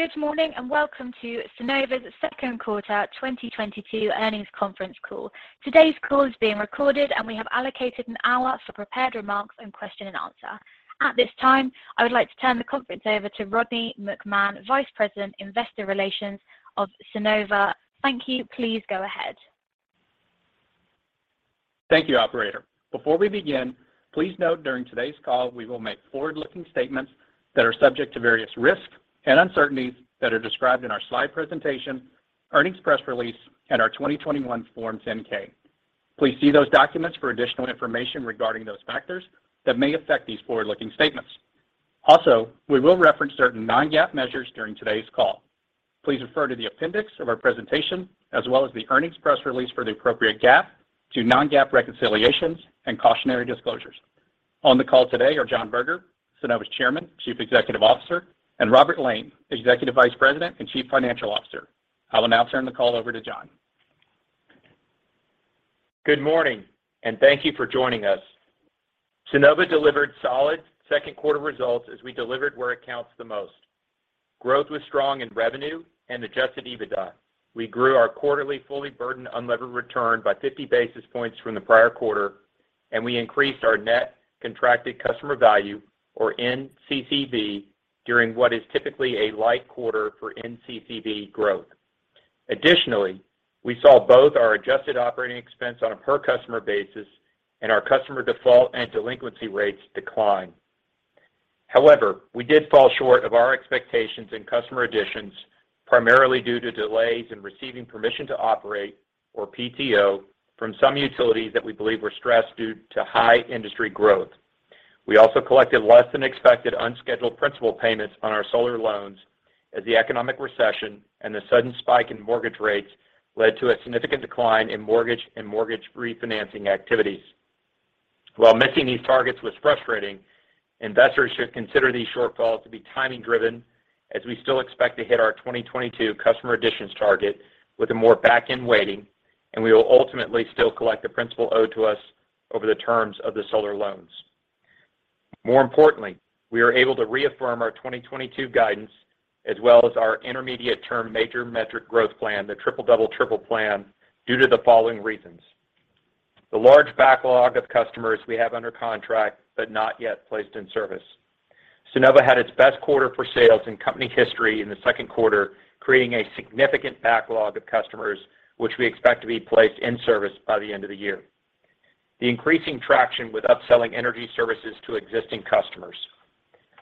Good morning and welcome to Sunnova's second quarter 2022 earnings conference call. Today's call is being recorded, and we have allocated an hour for prepared remarks and question and answer. At this time, I would like to turn the conference over to Rodney McMahan, Vice President, Investor Relations of Sunnova. Thank you. Please go ahead. Thank you, operator. Before we begin, please note during today's call, we will make forward-looking statements that are subject to various risks and uncertainties that are described in our slide presentation, earnings press release, and our 2021 Form 10-K. Please see those documents for additional information regarding those factors that may affect these forward-looking statements. Also, we will reference certain non-GAAP measures during today's call. Please refer to the appendix of our presentation as well as the earnings press release for the appropriate GAAP to non-GAAP reconciliations and cautionary disclosures. On the call today are John Berger, Sunnova's Chairman, Chief Executive Officer, and Robert Lane, Executive Vice President and Chief Financial Officer. I'll now turn the call over to John. Good morning, and thank you for joining us. Sunnova delivered solid second quarter results as we delivered where it counts the most. Growth was strong in revenue and adjusted EBITDA. We grew our quarterly fully burdened unlevered return by 50 basis points from the prior quarter, and we increased our net contracted customer value or NCCV during what is typically a light quarter for NCCV growth. Additionally, we saw both our adjusted operating expense on a per customer basis and our customer default and delinquency rates decline. However, we did fall short of our expectations in customer additions, primarily due to delays in receiving permission to operate or PTO from some utilities that we believe were stressed due to high industry growth. We also collected less than expected unscheduled principal payments on our solar loans as the economic recession and the sudden spike in mortgage rates led to a significant decline in mortgage and mortgage refinancing activities. While missing these targets was frustrating, investors should consider these shortfalls to be timing driven as we still expect to hit our 2022 customer additions target with a more back-end weighting, and we will ultimately still collect the principal owed to us over the terms of the solar loans. More importantly, we are able to reaffirm our 2022 guidance as well as our intermediate term major metric growth plan, the Triple-Double Triple Plan, due to the following reasons. The large backlog of customers we have under contract, but not yet placed in service. Sunnova had its best quarter for sales in company history in the second quarter, creating a significant backlog of customers, which we expect to be placed in service by the end of the year. The increasing traction with upselling energy services to existing customers.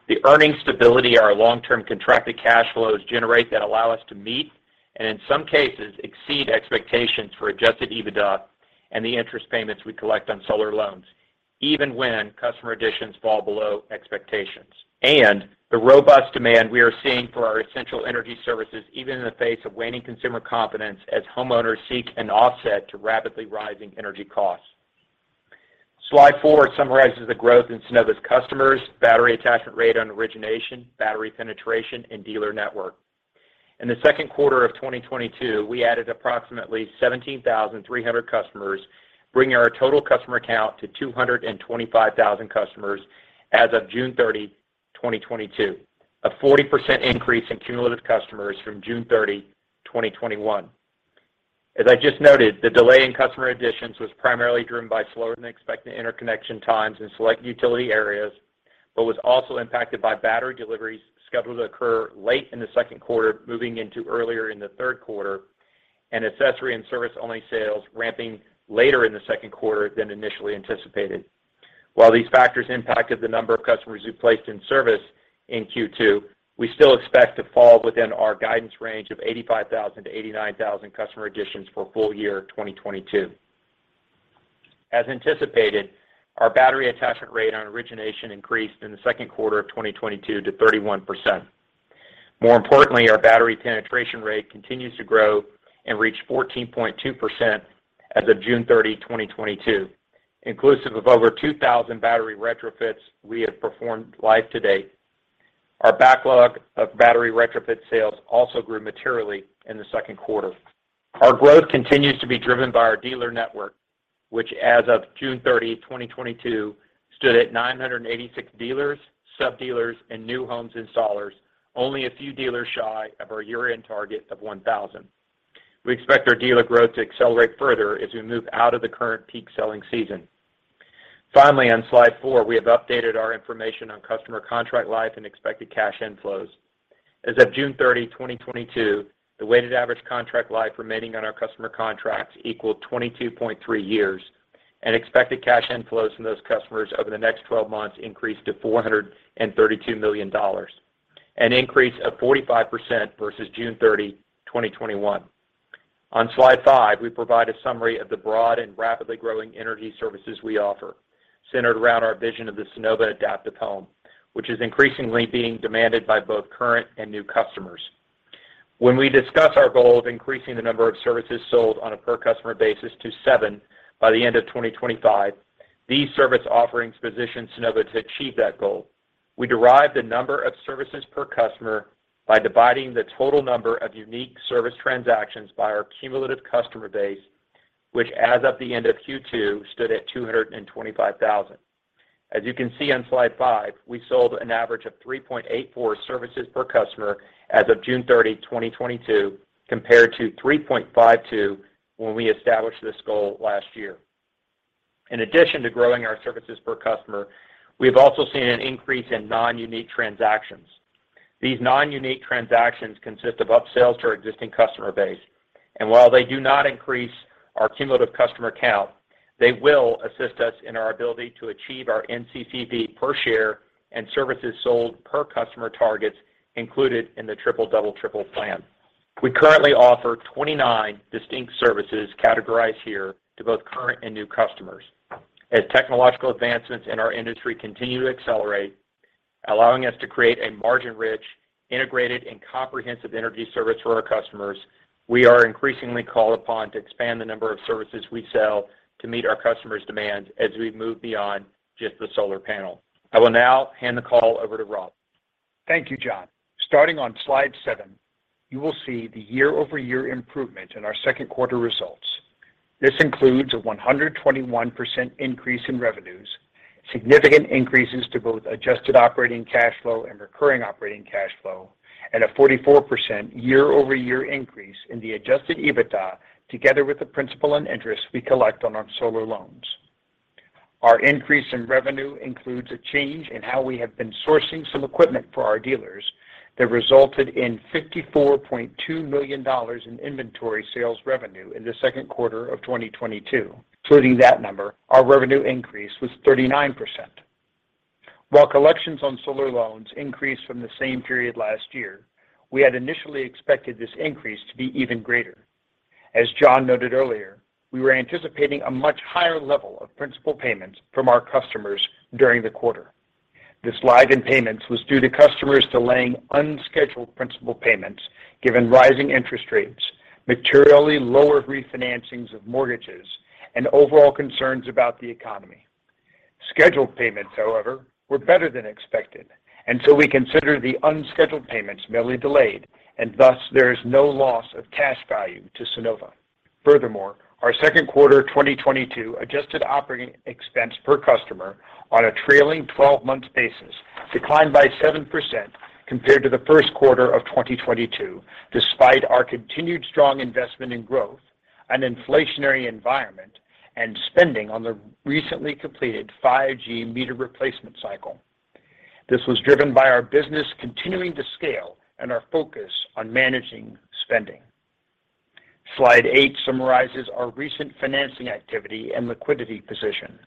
The earnings stability our long-term contracted cash flows generate that allow us to meet, and in some cases, exceed expectations for adjusted EBITDA and the interest payments we collect on solar loans, even when customer additions fall below expectations. The robust demand we are seeing for our essential energy services, even in the face of waning consumer confidence as homeowners seek an offset to rapidly rising energy costs. Slide four summarizes the growth in Sunnova's customers, battery attachment rate on origination, battery penetration, and dealer network. In the second quarter of 2022, we added approximately 17,300 customers, bringing our total customer count to 225,000 customers as of June 30th, 2022. A 40% increase in cumulative customers from June 30th, 2021. As I just noted, the delay in customer additions was primarily driven by slower than expected interconnection times in select utility areas, but was also impacted by battery deliveries scheduled to occur late in the second quarter, moving into earlier in the third quarter, and accessory and service-only sales ramping later in the second quarter than initially anticipated. While these factors impacted the number of customers we placed in service in Q2, we still expect to fall within our guidance range of 85,000-89,000 customer additions for full year 2022. As anticipated, our battery attachment rate on origination increased in the second quarter of 2022 to 31%. More importantly, our battery penetration rate continues to grow and reached 14.2% as of June 30th, 2022, inclusive of over 2,000 battery retrofits we have performed live to date. Our backlog of battery retrofit sales also grew materially in the second quarter. Our growth continues to be driven by our dealer network, which as of June 30th, 2022 stood at 986 dealers, sub-dealers, and new homes installers, only a few dealers shy of our year-end target of 1,000. We expect our dealer growth to accelerate further as we move out of the current peak selling season. Finally, on slide four, we have updated our information on customer contract life and expected cash inflows. As of June 30th, 2022, the weighted average contract life remaining on our customer contracts equaled 22.3 years, and expected cash inflows from those customers over the next 12 months increased to $432 million, an increase of 45% versus June 30, 2021. On slide five, we provide a summary of the broad and rapidly growing energy services we offer, centered around our vision of the Sunnova Adaptive Home, which is increasingly being demanded by both current and new customers. When we discuss our goal of increasing the number of services sold on a per customer basis to seven by the end of 2025, these service offerings position Sunnova to achieve that goal. We derive the number of services per customer by dividing the total number of unique service transactions by our cumulative customer base, which as of the end of Q2 stood at 225,000. As you can see on slide five, we sold an average of 3.84 services per customer as of June 30th, 2022, compared to 3.52 when we established this goal last year. In addition to growing our services per customer, we've also seen an increase in non-unique transactions. These non-unique transactions consist of upsales to our existing customer base. While they do not increase our cumulative customer count, they will assist us in our ability to achieve our NCCV per share and services sold per customer targets included in the Triple-Double Triple Plan. We currently offer 29 distinct services categorized here to both current and new customers. As technological advancements in our industry continue to accelerate, allowing us to create a margin-rich, integrated, and comprehensive energy service for our customers, we are increasingly called upon to expand the number of services we sell to meet our customers' demands as we move beyond just the solar panel. I will now hand the call over to Rob. Thank you, John. Starting on slide seven, you will see the year-over-year improvement in our second quarter results. This includes a 121% increase in revenues, significant increases to both adjusted operating cash flow and recurring operating cash flow, and a 44% year-over-year increase in the adjusted EBITDA together with the principal and interest we collect on our solar loans. Our increase in revenue includes a change in how we have been sourcing some equipment for our dealers that resulted in $54.2 million in inventory sales revenue in the second quarter of 2022. Including that number, our revenue increase was 39%. While collections on solar loans increased from the same period last year, we had initially expected this increase to be even greater. As John noted earlier, we were anticipating a much higher level of principal payments from our customers during the quarter. This lag in payments was due to customers delaying unscheduled principal payments given rising interest rates, materially lower refinancings of mortgages, and overall concerns about the economy. Scheduled payments, however, were better than expected, and so we consider the unscheduled payments merely delayed, and thus there is no loss of cash value to Sunnova. Furthermore, our second quarter 2022 adjusted operating expense per customer on a trailing twelve-month basis declined by 7% compared to the first quarter of 2022, despite our continued strong investment in growth, an inflationary environment, and spending on the recently completed 5G meter replacement cycle. This was driven by our business continuing to scale and our focus on managing spending. Slide eight summarizes our recent financing activity and liquidity position.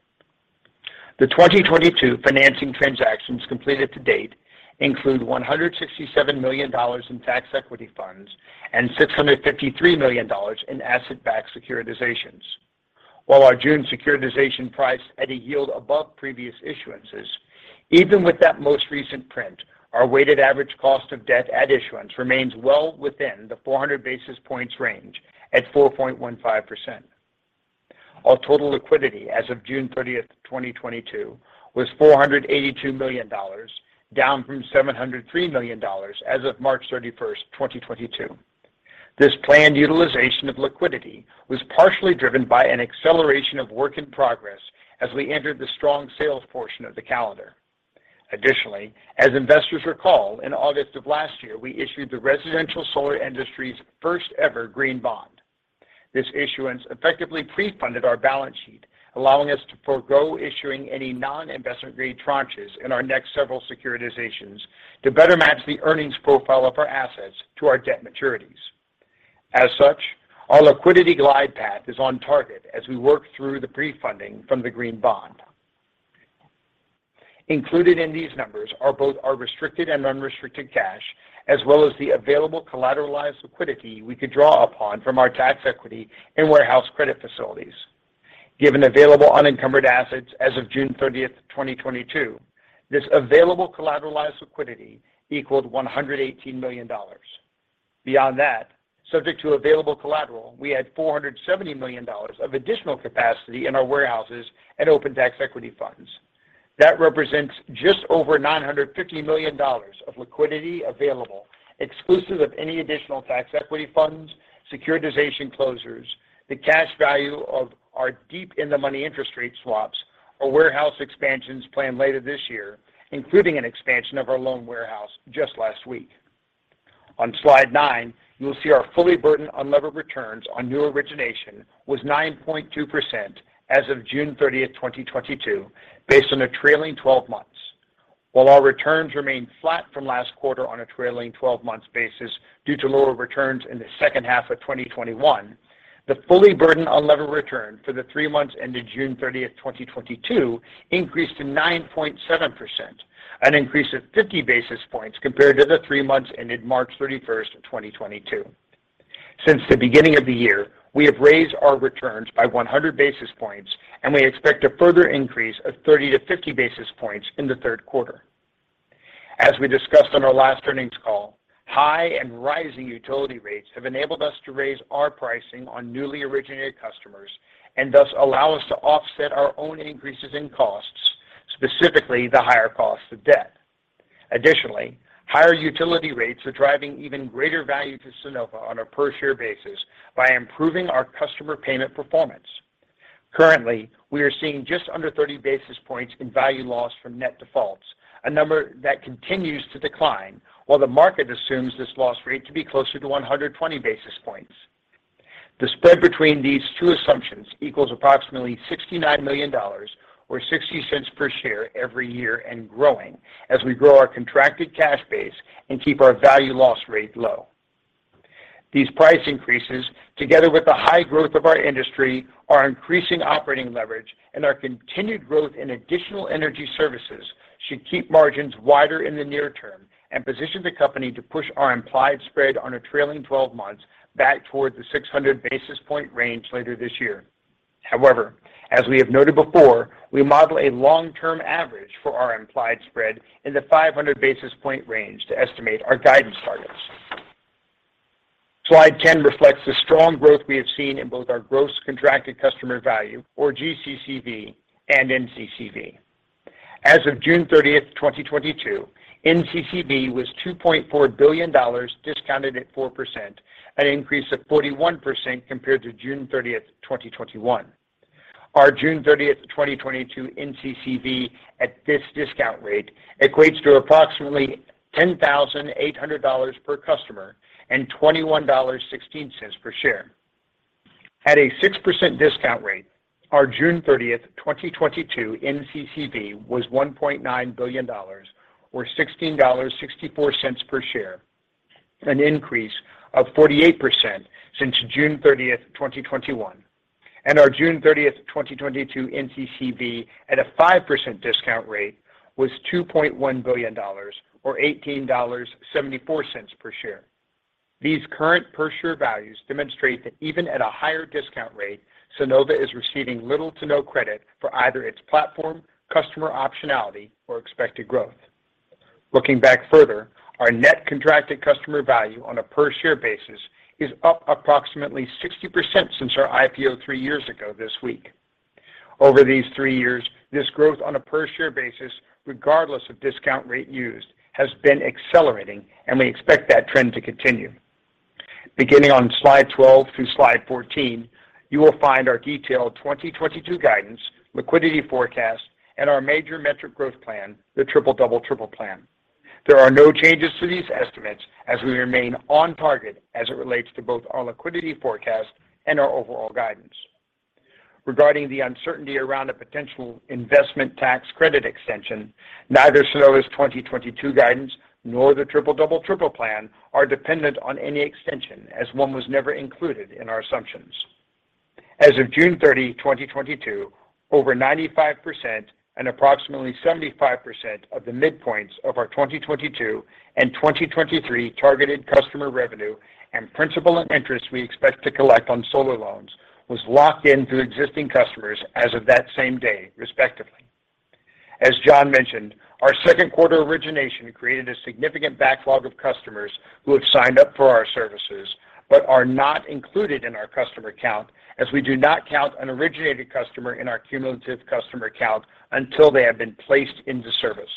The 2022 financing transactions completed to date include $167 million in tax equity funds and $653 million in asset-backed securitizations. While our June securitization priced at a yield above previous issuances, even with that most recent print, our weighted average cost of debt at issuance remains well within the 400 basis points range at 4.15%. Our total liquidity as of June 30th, 2022 was $482 million, down from $703 million as of March 31st, 2022. This planned utilization of liquidity was partially driven by an acceleration of work in progress as we entered the strong sales portion of the calendar. Additionally, as investors recall, in August of last year, we issued the residential solar industry's first-ever green bond. This issuance effectively pre-funded our balance sheet, allowing us to forego issuing any non-investment-grade tranches in our next several securitizations to better match the earnings profile of our assets to our debt maturities. Our liquidity glide path is on target as we work through the pre-funding from the green bond. Included in these numbers are both our restricted and unrestricted cash, as well as the available collateralized liquidity we could draw upon from our tax equity and warehouse credit facilities. Given available unencumbered assets as of June 30th, 2022, this available collateralized liquidity equaled $118 million. Beyond that, subject to available collateral, we had $470 million of additional capacity in our warehouses and open tax equity funds. That represents just over $950 million of liquidity available exclusive of any additional tax equity funds, securitization closures. The cash value of our deep in-the-money interest rate swaps or warehouse expansions planned later this year, including an expansion of our loan warehouse just last week. On Slide nine, you will see our fully burdened unlevered returns on new origination was 9.2% as of June 30th, 2022, based on the trailing twelve months. While our returns remained flat from last quarter on a trailing twelve-month basis due to lower returns in the second half of 2021, the fully burdened unlevered return for the three months ended June 30th, 2022 increased to 9.7%, an increase of 50 basis points compared to the three months ended March 31st, 2022. Since the beginning of the year, we have raised our returns by 100 basis points, and we expect a further increase of 30-50 basis points in the third quarter. As we discussed on our last earnings call, high and rising utility rates have enabled us to raise our pricing on newly originated customers and thus allow us to offset our own increases in costs, specifically the higher cost of debt. Additionally, higher utility rates are driving even greater value to Sunnova on a per-share basis by improving our customer payment performance. Currently, we are seeing just under 30 basis points in value loss from net defaults, a number that continues to decline, while the market assumes this loss rate to be closer to 120 basis points. The spread between these two assumptions equals approximately $69 million or $0.60 per share every year and growing as we grow our contracted cash base and keep our value loss rate low. These price increases, together with the high growth of our industry, our increasing operating leverage, and our continued growth in additional energy services should keep margins wider in the near term and position the company to push our implied spread on a trailing twelve months back toward the 600 basis point range later this year. However, as we have noted before, we model a long-term average for our implied spread in the 500 basis point range to estimate our guidance targets. Slide 10 reflects the strong growth we have seen in both our gross contracted customer value, or GCCV, and NCCV. As of June 30th, 2022, NCCV was $2.4 billion discounted at 4%, an increase of 41% compared to June 30th, 2021. Our June 30th, 2022 NCCV at this discount rate equates to approximately $10,800 per customer and $21.16 per share. At a 6% discount rate, our June 30th, 2022 NCCV was $1.9 billion or $16.64 per share, an increase of 48% since June 30th, 2021. Our June 30th, 2022 NCCV at a 5% discount rate was $2.1 billion or $18.74 per share. These current per-share values demonstrate that even at a higher discount rate, Sunnova is receiving little to no credit for either its platform, customer optionality or expected growth. Looking back further, our net contracted customer value on a per-share basis is up approximately 60% since our IPO three years ago this week. Over these three years, this growth on a per-share basis, regardless of discount rate used, has been accelerating, and we expect that trend to continue. Beginning on slide 12 through slide 14, you will find our detailed 2022 guidance, liquidity forecast, and our major metric growth plan, the Triple-Double Triple Plan. There are no changes to these estimates as we remain on target as it relates to both our liquidity forecast and our overall guidance. Regarding the uncertainty around a potential investment tax credit extension, neither Sunnova's 2022 guidance nor the Triple-Double Triple Plan are dependent on any extension as one was never included in our assumptions. As of June 30th, 2022, over 95% and approximately 75% of the midpoints of our 2022 and 2023 targeted customer revenue and principal and interest we expect to collect on solar loans was locked in through existing customers as of that same day, respectively. As John mentioned, our second quarter origination created a significant backlog of customers who have signed up for our services but are not included in our customer count as we do not count an originated customer in our cumulative customer count until they have been placed into service.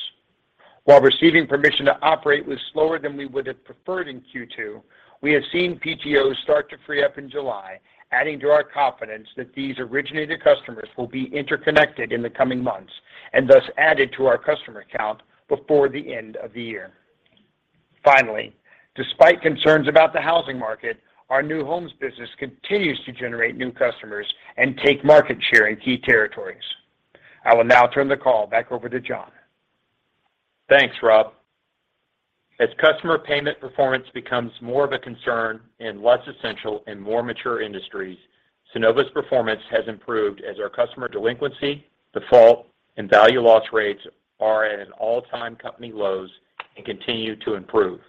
While receiving permission to operate was slower than we would have preferred in Q2, we have seen PTO start to free up in July, adding to our confidence that these originated customers will be interconnected in the coming months and thus added to our customer count before the end of the year. Finally, despite concerns about the housing market, our new homes business continues to generate new customers and take market share in key territories. I will now turn the call back over to John. Thanks, Rob. As customer payment performance becomes more of a concern in less essential and more mature industries, Sunnova's performance has improved as our customer delinquency, default, and value loss rates are at an all-time company lows and continue to improve.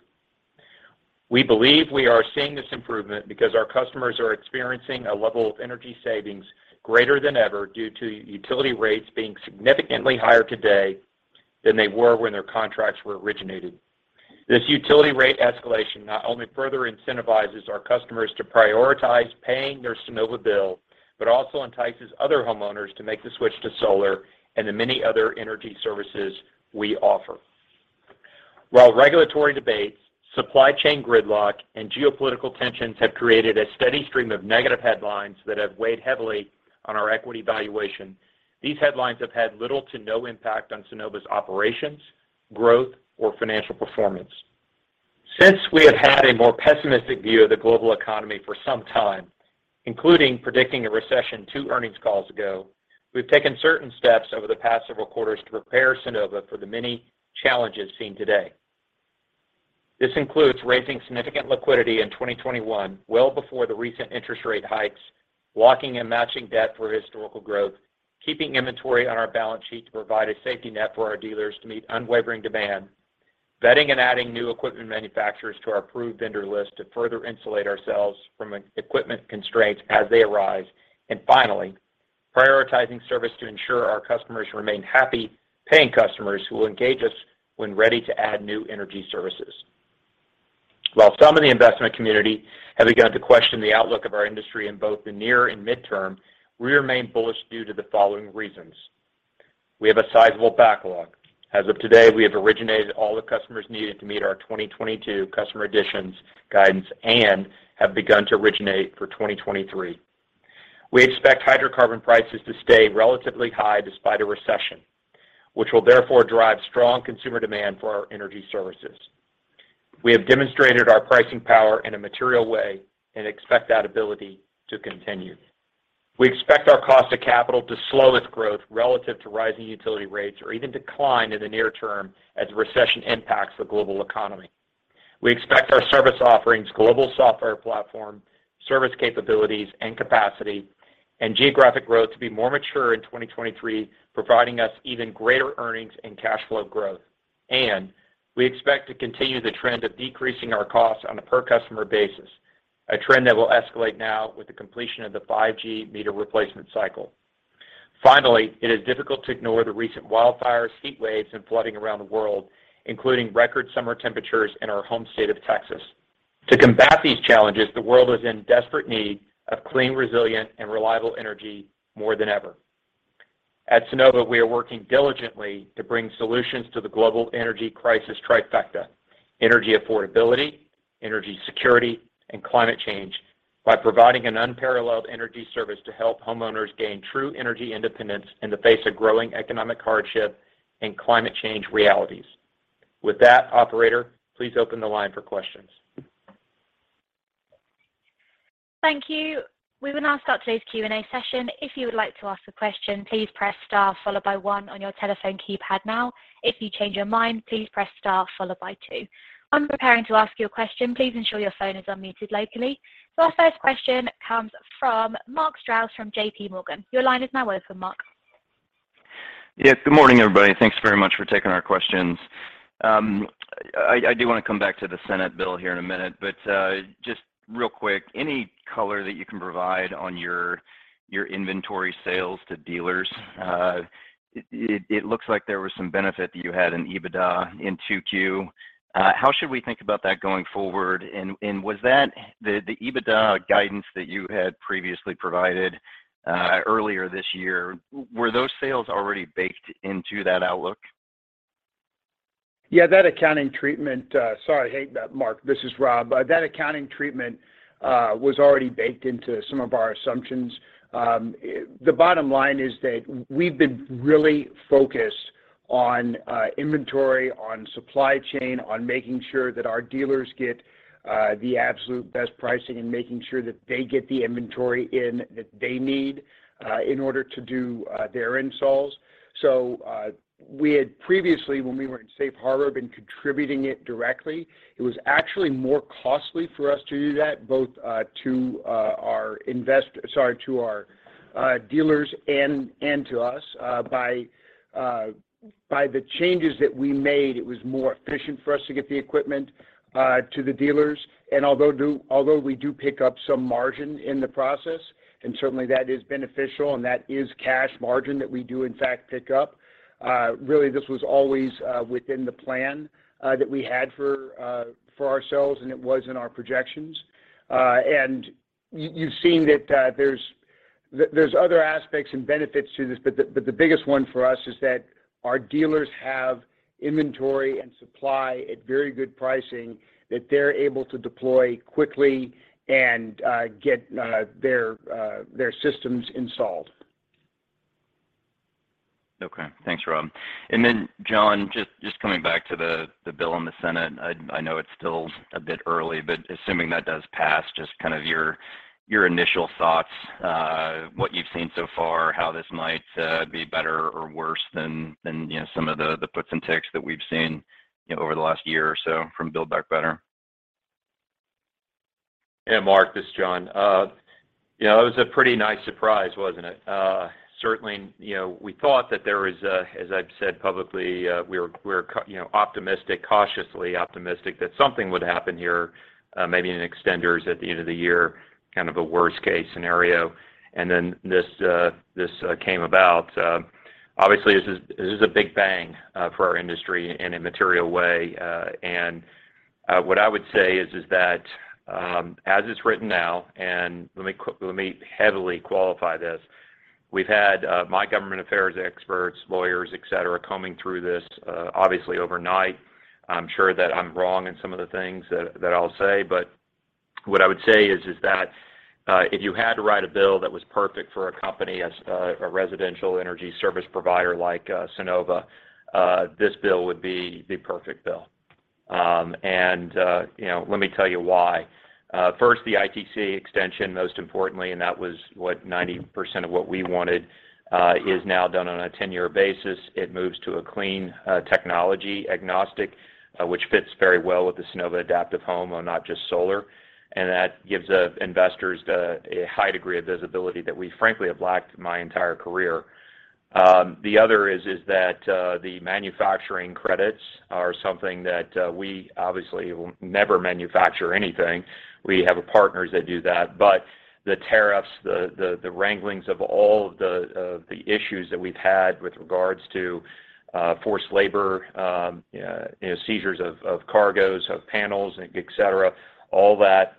We believe we are seeing this improvement because our customers are experiencing a level of energy savings greater than ever due to utility rates being significantly higher today than they were when their contracts were originated. This utility rate escalation not only further incentivizes our customers to prioritize paying their Sunnova bill, but also entices other homeowners to make the switch to solar and the many other energy services we offer. While regulatory debates, supply chain gridlock, and geopolitical tensions have created a steady stream of negative headlines that have weighed heavily on our equity valuation, these headlines have had little to no impact on Sunnova's operations, growth, or financial performance. Since we have had a more pessimistic view of the global economy for some time, including predicting a recession two earnings calls ago, we've taken certain steps over the past several quarters to prepare Sunnova for the many challenges seen today. This includes raising significant liquidity in 2021, well before the recent interest rate hikes, locking and matching debt for historical growth, keeping inventory on our balance sheet to provide a safety net for our dealers to meet unwavering demand, vetting and adding new equipment manufacturers to our approved vendor list to further insulate ourselves from equipment constraints as they arise, and finally, prioritizing service to ensure our customers remain happy paying customers who will engage us when ready to add new energy services. While some in the investment community have begun to question the outlook of our industry in both the near and midterm, we remain bullish due to the following reasons. We have a sizable backlog. As of today, we have originated all the customers needed to meet our 2022 customer additions guidance and have begun to originate for 2023. We expect hydrocarbon prices to stay relatively high despite a recession, which will therefore drive strong consumer demand for our energy services. We have demonstrated our pricing power in a material way and expect that ability to continue. We expect our cost of capital to slow its growth relative to rising utility rates or even decline in the near term as the recession impacts the global economy. We expect our service offerings, global software platform, service capabilities and capacity and geographic growth to be more mature in 2023, providing us even greater earnings and cash flow growth. We expect to continue the trend of decreasing our costs on a per customer basis, a trend that will escalate now with the completion of the 5G meter replacement cycle. Finally, it is difficult to ignore the recent wildfires, heat waves, and flooding around the world, including record summer temperatures in our home state of Texas. To combat these challenges, the world is in desperate need of clean, resilient and reliable energy more than ever. At Sunnova, we are working diligently to bring solutions to the global energy crisis trifecta, energy affordability, energy security, and climate change by providing an unparalleled energy service to help homeowners gain true energy independence in the face of growing economic hardship and climate change realities. With that, operator, please open the line for questions. Thank you. We will now start today's Q&A session. If you would like to ask a question, please press star followed by one on your telephone keypad now. If you change your mind, please press star followed by two. When preparing to ask your question, please ensure your phone is unmuted locally. Our first question comes from Mark Strouse from JPMorgan. Your line is now open, Mark. Yes. Good morning, everybody. Thanks very much for taking our questions. I do want to come back to the Senate bill here in a minute, but just real quick, any color that you can provide on your inventory sales to dealers? It looks like there was some benefit that you had in EBITDA in 2Q. How should we think about that going forward? And was that the EBITDA guidance that you had previously provided earlier this year? Were those sales already baked into that outlook? Hey, Mark, this is Rob. That accounting treatment was already baked into some of our assumptions. The bottom line is that we've been really focused on inventory, on supply chain, on making sure that our dealers get the absolute best pricing and making sure that they get the inventory in that they need in order to do their installs. We had previously, when we were in Safe Harbor, been contributing it directly. It was actually more costly for us to do that both to our dealers and to us. By the changes that we made, it was more efficient for us to get the equipment to the dealers. Although we do pick up some margin in the process, and certainly that is beneficial and that is cash margin that we do in fact pick up, really this was always within the plan that we had for ourselves, and it was in our projections. You've seen that, there's other aspects and benefits to this, but the biggest one for us is that our dealers have inventory and supply at very good pricing that they're able to deploy quickly and get their systems installed. Okay. Thanks, Rob. Then John, just coming back to the bill in the Senate. I know it's still a bit early, but assuming that does pass, just kind of your initial thoughts, what you've seen so far, how this might be better or worse than, you know, some of the puts and takes that we've seen over the last year or so from Build Back Better. Yeah. Mark, this is John. You know, it was a pretty nice surprise, wasn't it? Certainly, you know, we thought that there was a, as I've said publicly, we're you know, optimistic, cautiously optimistic that something would happen here, maybe in extenders at the end of the year, kind of a worst-case scenario. This came about. Obviously, this is a big bang for our industry in a material way. What I would say is that, as it's written now, and let me heavily qualify this. We've had my government affairs experts, lawyers, et cetera, combing through this, obviously overnight. I'm sure that I'm wrong in some of the things that I'll say. What I would say is that if you had to write a bill that was perfect for a company as a residential energy service provider like Sunnova, this bill would be the perfect bill. You know, let me tell you why. First, the ITC extension, most importantly, and that was what 90% of what we wanted is now done on a ten-year basis. It moves to a clean technology agnostic, which fits very well with the Sunnova Adaptive Home on not just solar. That gives investors a high degree of visibility that we frankly have lacked my entire career. The other is that the manufacturing credits are something that we obviously will never manufacture anything. We have partners that do that. The tariffs, the wranglings of all the issues that we've had with regards to forced labor, you know, seizures of cargoes of panels, et cetera, all that,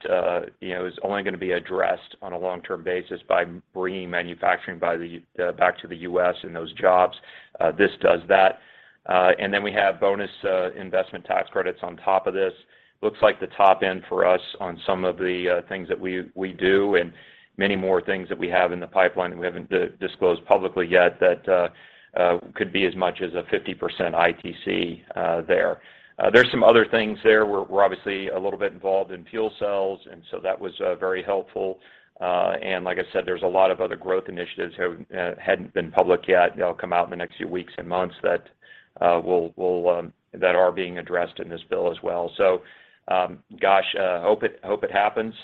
you know, is only gonna be addressed on a long-term basis by bringing manufacturing back to the U.S. and those jobs. This does that. And then we have bonus investment tax credits on top of this. Looks like the top end for us on some of the things that we do and many more things that we have in the pipeline that we haven't disclosed publicly yet that could be as much as a 50% ITC there. There's some other things there. We're obviously a little bit involved in fuel cells, and so that was very helpful. Like I said, there's a lot of other growth initiatives that hadn't been public yet, you know, come out in the next few weeks and months that are being addressed in this bill as well. Gosh, hope it happens.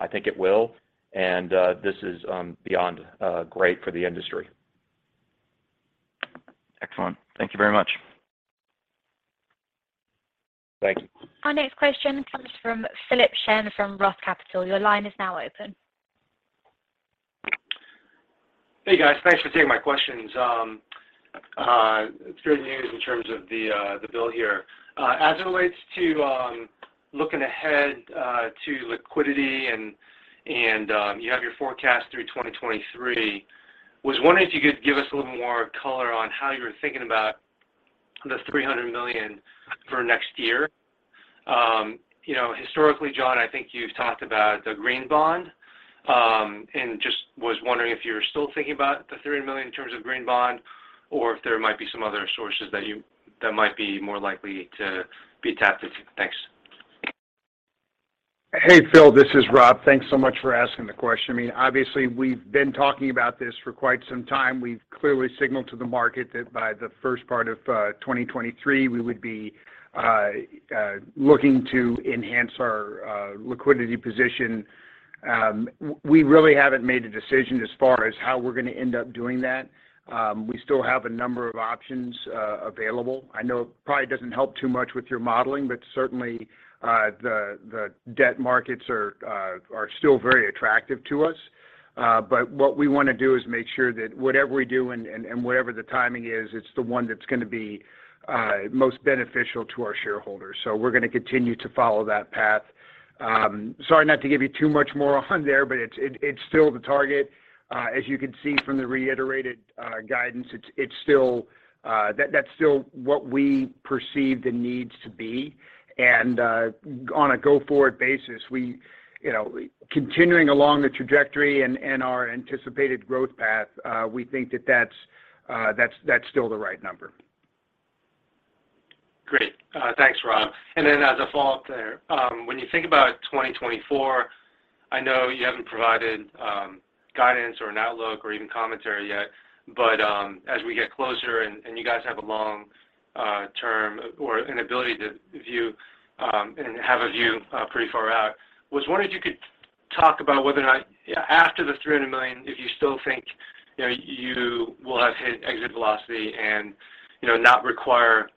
I think it will. This is beyond great for the industry. Excellent. Thank you very much. Thank you. Our next question comes from Philip Shen from Roth Capital. Your line is now open. Hey, guys. Thanks for taking my questions. It's great news in terms of the bill here. As it relates to looking ahead to liquidity and you have your forecast through 2023, was wondering if you could give us a little more color on how you're thinking about the $300 million for next year. You know, historically, John, I think you've talked about the green bond and just was wondering if you're still thinking about the $300 million in terms of green bond or if there might be some other sources that might be more likely to be tapped into. Thanks. Hey, Philip, this is Robert. Thanks so much for asking the question. I mean, obviously, we've been talking about this for quite some time. We've clearly signaled to the market that by the first part of 2023, we would be looking to enhance our liquidity position. We really haven't made a decision as far as how we're gonna end up doing that. We still have a number of options available. I know it probably doesn't help too much with your modeling, but certainly, the debt markets are still very attractive to us. But what we wanna do is make sure that whatever we do and whatever the timing is, it's the one that's gonna be most beneficial to our shareholders. We're gonna continue to follow that path. Sorry, not to give you too much more on there, but it's still the target. As you can see from the reiterated guidance, it's still that that's still what we perceive the needs to be. On a go-forward basis, we, you know, continuing along the trajectory and our anticipated growth path, we think that that's still the right number. Great. Thanks, Rob. Then as a follow-up there, when you think about 2024, I know you haven't provided guidance or an outlook or even commentary yet, but as we get closer and you guys have a long-term or an ability to view and have a view pretty far out, was wondering if you could talk about whether or not, after the $300 million, if you still think, you know, you will have hit exit velocity and, you know, not require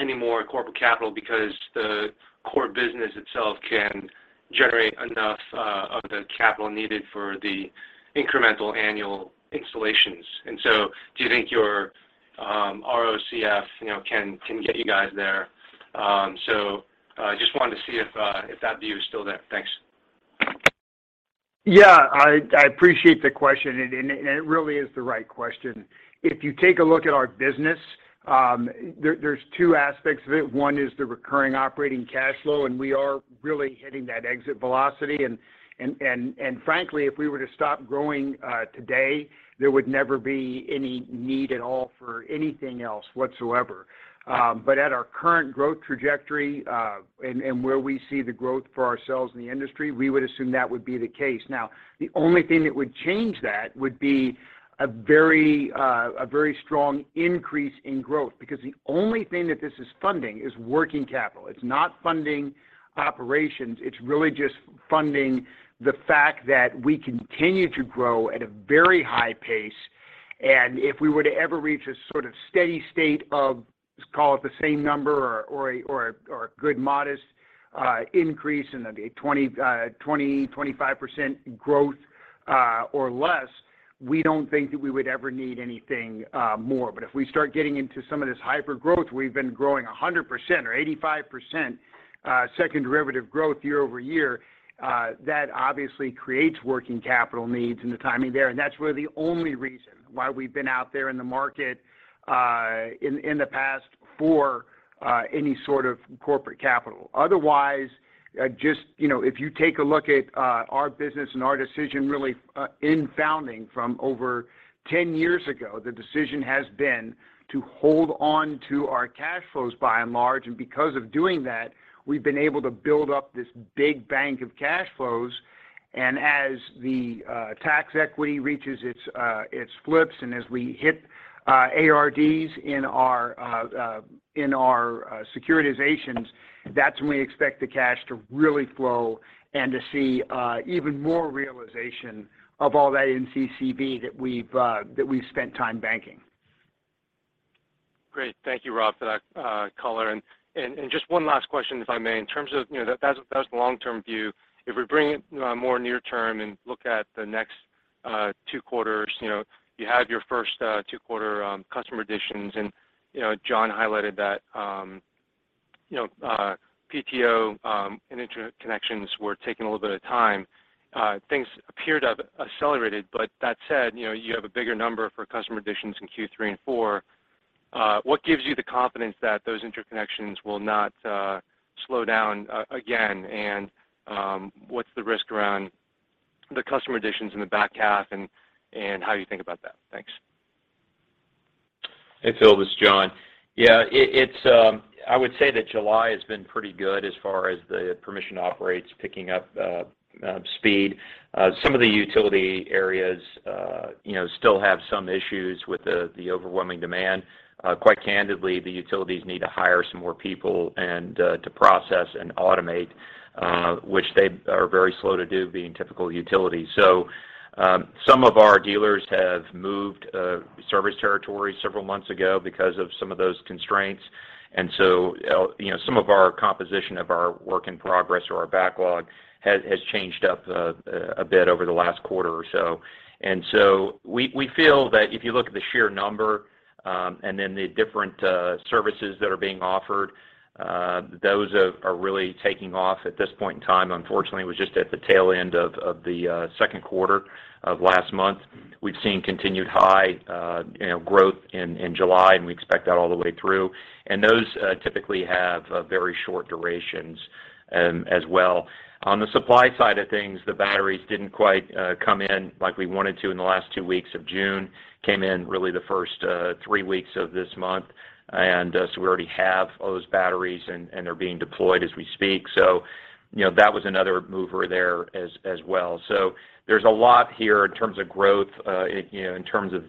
any more corporate capital because the core business itself can generate enough of the capital needed for the incremental annual installations. So do you think your ROCF, you know, can get you guys there? Just wanted to see if that view is still there. Thanks. Yeah. I appreciate the question, and it really is the right question. If you take a look at our business, there's two aspects of it. One is the recurring operating cash flow, and we are really hitting that exit velocity. Frankly, if we were to stop growing today, there would never be any need at all for anything else whatsoever. At our current growth trajectory, and where we see the growth for ourselves in the industry, we would assume that would be the case. Now, the only thing that would change that would be a very strong increase in growth, because the only thing that this is funding is working capital. It's not funding operations. It's really just funding the fact that we continue to grow at a very high pace. If we were to ever reach a sort of steady state of, let's call it the same number or a good modest increase in the 25% growth or less, we don't think that we would ever need anything more. If we start getting into some of this hypergrowth, we've been growing 100% or 85%, second derivative growth year-over-year, that obviously creates working capital needs and the timing there. That's really the only reason why we've been out there in the market, in the past for any sort of corporate capital. Otherwise, just, you know, if you take a look at our business and our decision really in founding from over 10 years ago, the decision has been to hold on to our cash flows by and large. Because of doing that, we've been able to build up this big bank of cash flows. As the tax equity reaches its flips, and as we hit ARDs in our securitizations, that's when we expect the cash to really flow and to see even more realization of all that NCCV that we've spent time banking. Great. Thank you, Rob, for that, color. Just one last question, if I may. In terms of, you know, that's the long-term view. If we bring it, you know, more near term and look at the next two quarters, you know, you had your first two-quarter customer additions and, you know, John highlighted that, you know, PTO and interconnections were taking a little bit of time. Things appeared to have accelerated, but that said, you know, you have a bigger number for customer additions in Q3 and Q4. What gives you the confidence that those interconnections will not slow down again? What's the risk around the customer additions in the back half and how you think about that? Thanks. Hey, Philip, this is John. Yeah. It's I would say that July has been pretty good as far as the permitting operations picking up speed. Some of the utility areas, you know, still have some issues with the overwhelming demand. Quite candidly, the utilities need to hire some more people and to process and automate, which they are very slow to do, being typical utilities. Some of our dealers have moved service territory several months ago because of some of those constraints. You know, some of our composition of our work in progress or our backlog has changed up a bit over the last quarter or so. We feel that if you look at the sheer number, and then the different services that are being offered, those are really taking off at this point in time. Unfortunately, it was just at the tail end of the second quarter of last month. We've seen continued high, you know, growth in July, and we expect that all the way through. Those typically have very short durations, as well. On the supply side of things, the batteries didn't quite come in like we wanted to in the last two weeks of June. Came in really the first three weeks of this month. We already have all those batteries and they're being deployed as we speak. You know, that was another mover there, as well. There's a lot here in terms of growth, you know, in terms of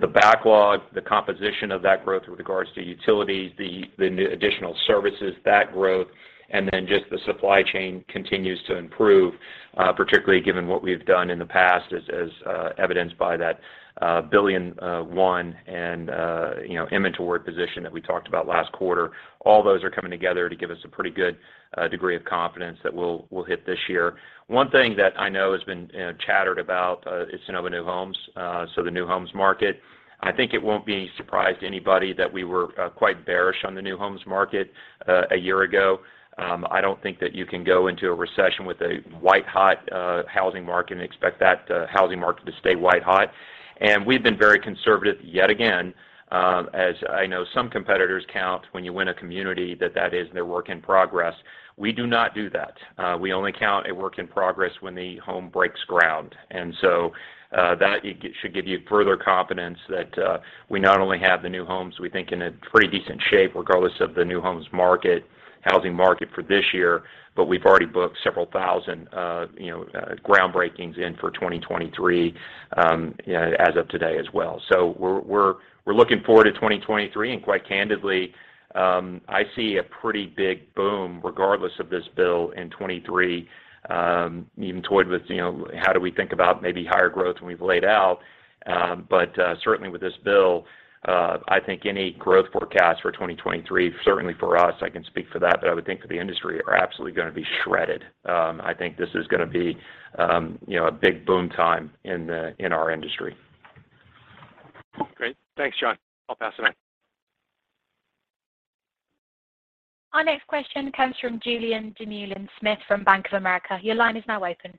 the backlog, the composition of that growth with regards to utilities, the new additional services, that growth, and then just the supply chain continues to improve, particularly given what we've done in the past as evidenced by that $1 billion inventory position that we talked about last quarter. All those are coming together to give us a pretty good degree of confidence that we'll hit this year. One thing that I know has been chattered about is Sunnova new homes, so the new homes market. I think it won't be a surprise to anybody that we were quite bearish on the new homes market a year ago. I don't think that you can go into a recession with a white-hot housing market and expect that housing market to stay white hot. We've been very conservative yet again, as I know some competitors count when you win a community that is their work in progress. We do not do that. We only count a work in progress when the home breaks ground. That should give you further confidence that we not only have the new homes we think in a pretty decent shape regardless of the new homes market, housing market for this year, but we've already booked several thousand you know groundbreakings in for 2023, you know, as of today as well. We're looking forward to 2023. Quite candidly, I see a pretty big boom regardless of this bill in 2023. Even toyed with, you know, how do we think about maybe higher growth than we've laid out. Certainly with this bill, I think any growth forecast for 2023, certainly for us, I can speak for that, but I would think for the industry are absolutely gonna be shredded. I think this is gonna be, you know, a big boom time in our industry. Great. Thanks, John. I'll pass it on. Our next question comes from Julien Dumoulin-Smith from Bank of America. Your line is now open.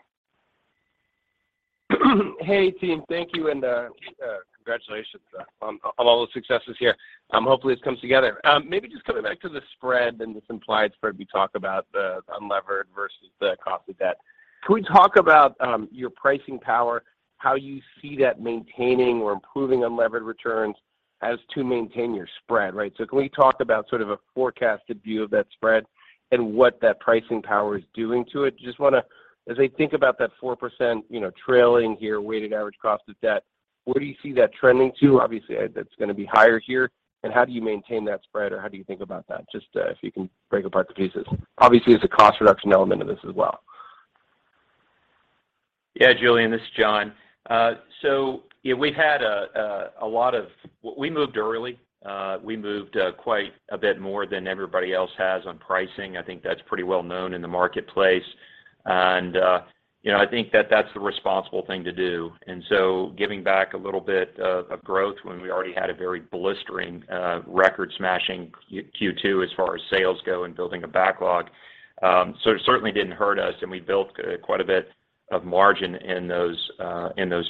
Hey, team. Thank you and congratulations on all the successes here. Hopefully this comes together. Maybe just coming back to the spread and the compliance part we talked about, the unlevered versus the cost of debt. Can we talk about your pricing power, how you see that maintaining or improving unlevered returns as to maintain your spread, right? Can we talk about sort of a forecasted view of that spread and what that pricing power is doing to it? Just wanna as I think about that 4%, you know, trailing here, weighted average cost of debt, where do you see that trending to? Obviously, that's gonna be higher here. How do you maintain that spread, or how do you think about that? Just, if you can break apart the pieces. Obviously, there's a cost reduction element of this as well. Yeah, Julien, this is John. So yeah, we moved early. We moved quite a bit more than everybody else has on pricing. I think that's pretty well known in the marketplace. You know, I think that's the responsible thing to do. Giving back a little bit of growth when we already had a very blistering record-smashing Q2 as far as sales go and building a backlog, so it certainly didn't hurt us, and we built quite a bit of margin in those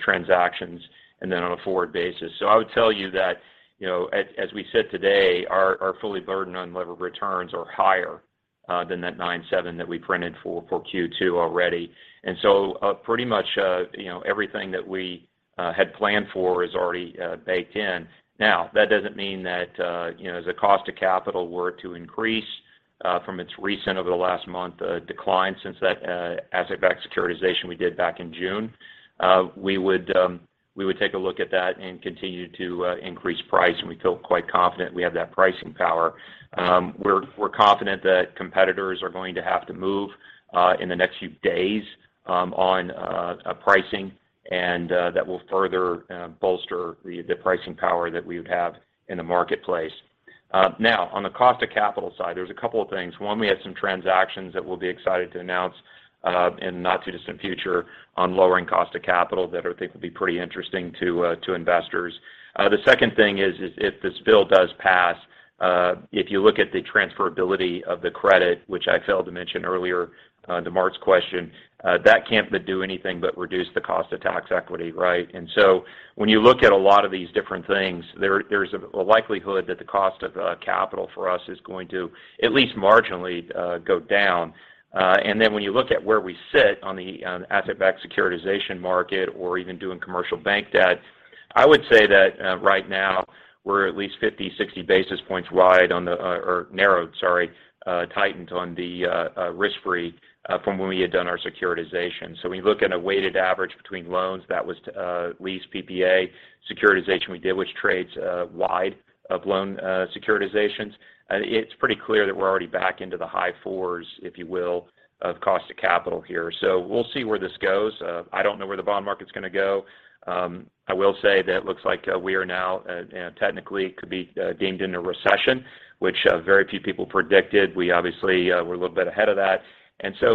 transactions and then on a forward basis. I would tell you that, you know, as we said today, our fully burdened unlevered returns are higher than that 9.7% that we printed for Q2 already. Pretty much, you know, everything that we had planned for is already baked in. Now, that doesn't mean that, you know, as the cost of capital were to increase from its recent over the last month decline since that asset-backed securitization we did back in June, we would take a look at that and continue to increase price, and we feel quite confident we have that pricing power. We're confident that competitors are going to have to move in the next few days on pricing. That will further bolster the pricing power that we would have in the marketplace. Now on the cost of capital side, there's a couple of things. One, we had some transactions that we'll be excited to announce in the not too distant future on lowering cost of capital that I think will be pretty interesting to investors. The second thing is if this bill does pass, if you look at the transferability of the credit, which I failed to mention earlier, to Mark's question, that can't but do anything but reduce the cost of tax equity, right? When you look at a lot of these different things, there's a likelihood that the cost of capital for us is going to at least marginally go down. When you look at where we sit on the asset-backed securitization market or even doing commercial bank debt, I would say that right now we're at least 50 basis points, 60 basis points wide on the or narrowed, sorry, tightened on the risk-free from when we had done our securitization. When you look at a weighted average between loans that was to lease PPA securitization we did, which trades wide of loan securitizations, it's pretty clear that we're already back into the high fours, if you will, of cost of capital here. We'll see where this goes. I don't know where the bond market's gonna go. I will say that it looks like we are now technically could be deemed in a recession, which very few people predicted. We obviously, we're a little bit ahead of that.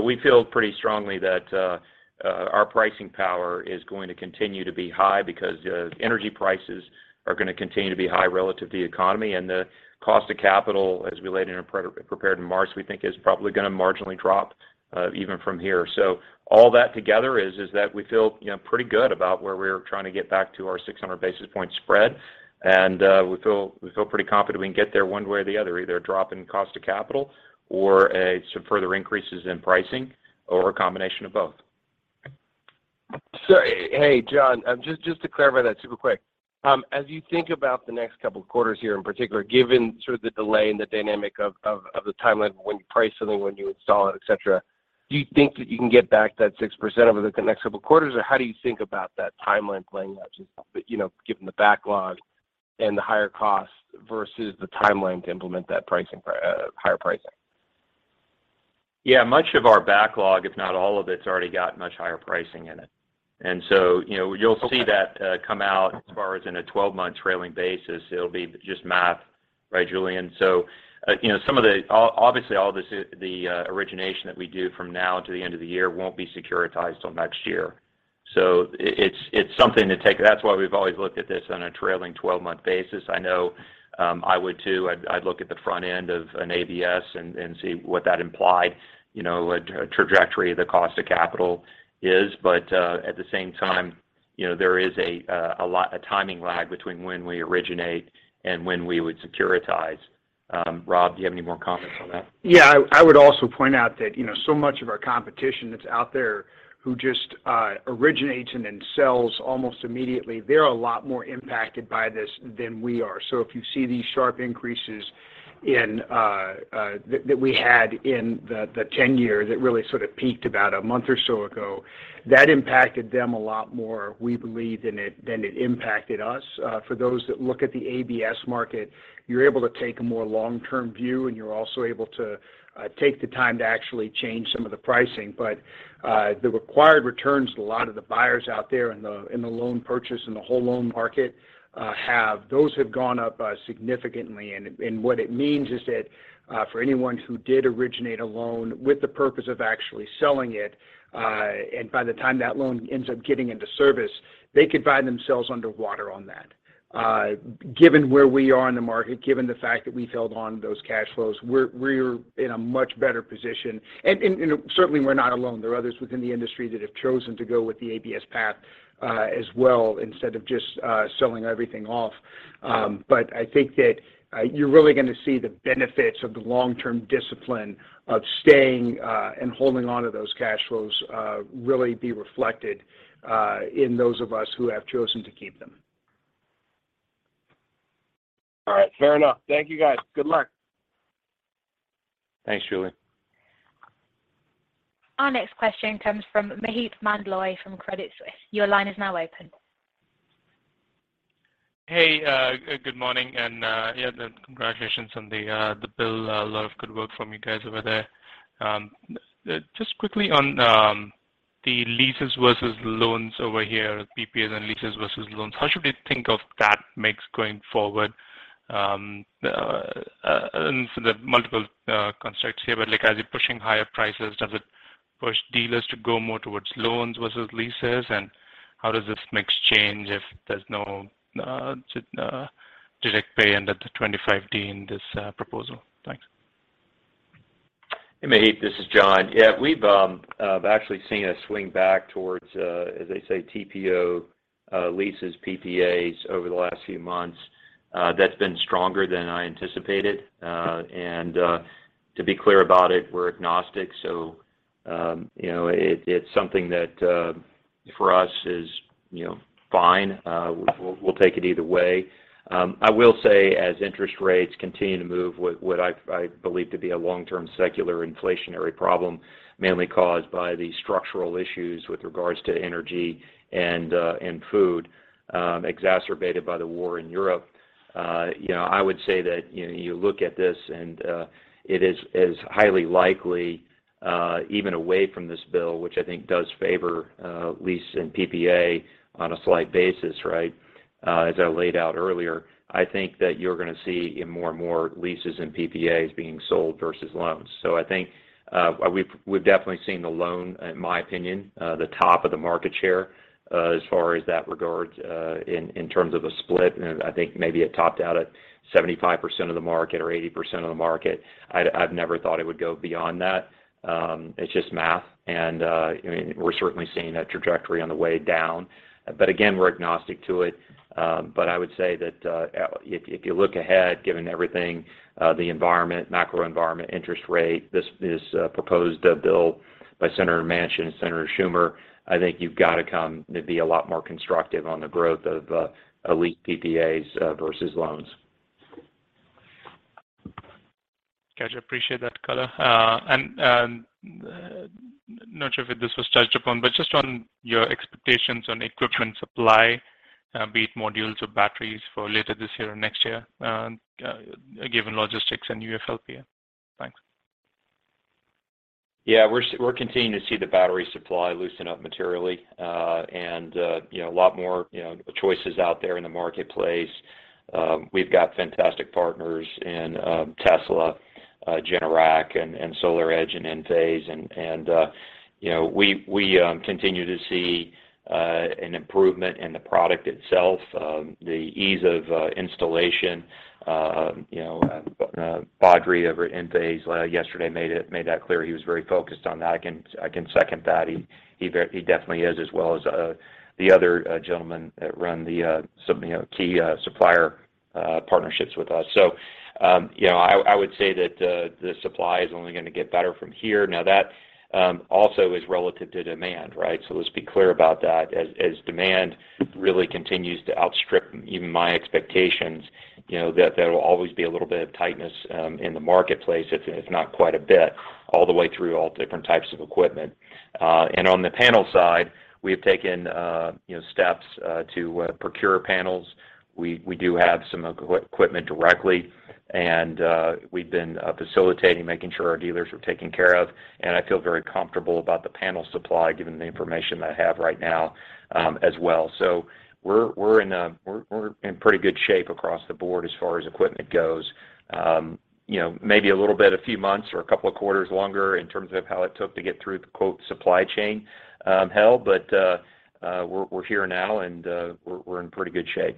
We feel pretty strongly that our pricing power is going to continue to be high because energy prices are gonna continue to be high relative to the economy, and the cost of capital as we prepared in March, we think is probably gonna marginally drop even from here. All that together is that we feel, you know, pretty good about where we're trying to get back to our 600 basis point spread. We feel pretty confident we can get there one way or the other, either a drop in cost of capital or some further increases in pricing or a combination of both. Hey, John, just to clarify that super quick. As you think about the next couple of quarters here, in particular, given the delay in the dynamic of the timeline of when you price something, when you install it, et cetera, do you think that you can get back that 6% over the next couple of quarters? How do you think about that timeline playing out, you know, given the backlog and the higher costs versus the timeline to implement that pricing, higher pricing? Yeah, much of our backlog, if not all of it, has already got much higher pricing in it. You know, Okay You'll see that come out as far as in a 12-month trailing basis. It'll be just math, right, Julien? You know, obviously, all this origination that we do from now to the end of the year won't be securitized till next year. It's something to take. That's why we've always looked at this on a trailing 12-month basis. I know, I would too. I'd look at the front end of an ABS and see what that implied, you know, trajectory of the cost of capital is. But at the same time, you know, there is a lot of timing lag between when we originate and when we would securitize. Robert, do you have any more comments on that? Yeah. I would also point out that, you know, so much of our competition that's out there who just originates and then sells almost immediately, they're a lot more impacted by this than we are. If you see these sharp increases in that we had in the 10-year that really sort of peaked about a month or so ago, that impacted them a lot more, we believe, than it impacted us. For those that look at the ABS market, you're able to take a more long-term view, and you're also able to take the time to actually change some of the pricing. The required returns that a lot of the buyers out there in the loan purchase and the whole loan market have, those have gone up significantly. What it means is that for anyone who did originate a loan with the purpose of actually selling it, by the time that loan ends up getting into service, they could find themselves underwater on that. Given where we are in the market, given the fact that we've held on to those cash flows, we're in a much better position. You know, certainly we're not alone. There are others within the industry that have chosen to go with the ABS path as well instead of just selling everything off. I think that you're really gonna see the benefits of the long-term discipline of staying and holding onto those cash flows really be reflected in those of us who have chosen to keep them. All right. Fair enough. Thank you, guys. Good luck. Thanks, Julien. Our next question comes from Maheep Mandloi from Credit Suisse. Your line is now open. Hey, good morning, and yeah, congratulations on the bill. A lot of good work from you guys over there. Just quickly on the leases versus loans over here, PPAs and leases versus loans, how should we think of that mix going forward, and for the multiple constructs here? Like, as you're pushing higher prices, does it push dealers to go more towards loans versus leases? How does this mix change if there's no direct pay under the 25D in this proposal? Thanks. Hey, Maheep, this is John. Yeah, we've actually seen a swing back towards, as they say, TPO, leases, PPAs over the last few months. That's been stronger than I anticipated. To be clear about it, we're agnostic. You know, it's something that for us is, you know, fine. We'll take it either way. I will say, as interest rates continue to move with what I believe to be a long-term secular inflationary problem, mainly caused by the structural issues with regards to energy and food, exacerbated by the war in Europe, you know, I would say that, you know, you look at this and, it is highly likely, even away from this bill, which I think does favor, lease and PPA on a slight basis, right? As I laid out earlier, I think that you're gonna see more and more leases and PPAs being sold versus loans. I think we've definitely seen the loan, in my opinion, the top of the market share, as far as that regards, in terms of a split. I think maybe it topped out at 75% of the market or 80% of the market. I've never thought it would go beyond that. It's just math, and you know, we're certainly seeing that trajectory on the way down. Again, we're agnostic to it. I would say that, if you look ahead, given everything, the environment, macro environment, interest rate, this proposed bill by Senator Manchin and Senator Schumer, I think you've got to come to be a lot more constructive on the growth of a leased PPAs versus loans. Got you. Appreciate that color. Not sure if this was touched upon, but just on your expectations on equipment supply, be it modules or batteries for later this year or next year, given logistics and UFLPA. Thanks. Yeah. We're continuing to see the battery supply loosen up materially, and you know, a lot more, you know, choices out there in the marketplace. We've got fantastic partners in Tesla, Generac and SolarEdge and Enphase. You know, we continue to see an improvement in the product itself, the ease of installation. You know, Badri over at Enphase yesterday made that clear. He was very focused on that. I can second that. He definitely is, as well as the other gentleman that run some, you know, key supplier partnerships with us. You know, I would say that the supply is only gonna get better from here. Now, that also is relative to demand, right? Let's be clear about that. As demand really continues to outstrip even my expectations, you know, that there will always be a little bit of tightness in the marketplace, if not quite a bit, all the way through all different types of equipment. On the panel side, we have taken, you know, steps to procure panels. We do have some equipment directly, and we've been facilitating making sure our dealers are taken care of. I feel very comfortable about the panel supply given the information I have right now, as well. We're in pretty good shape across the board as far as equipment goes. You know, maybe a little bit a few months or a couple of quarters longer in terms of how it took to get through the "supply chain" hell, but we're here now, and we're in pretty good shape.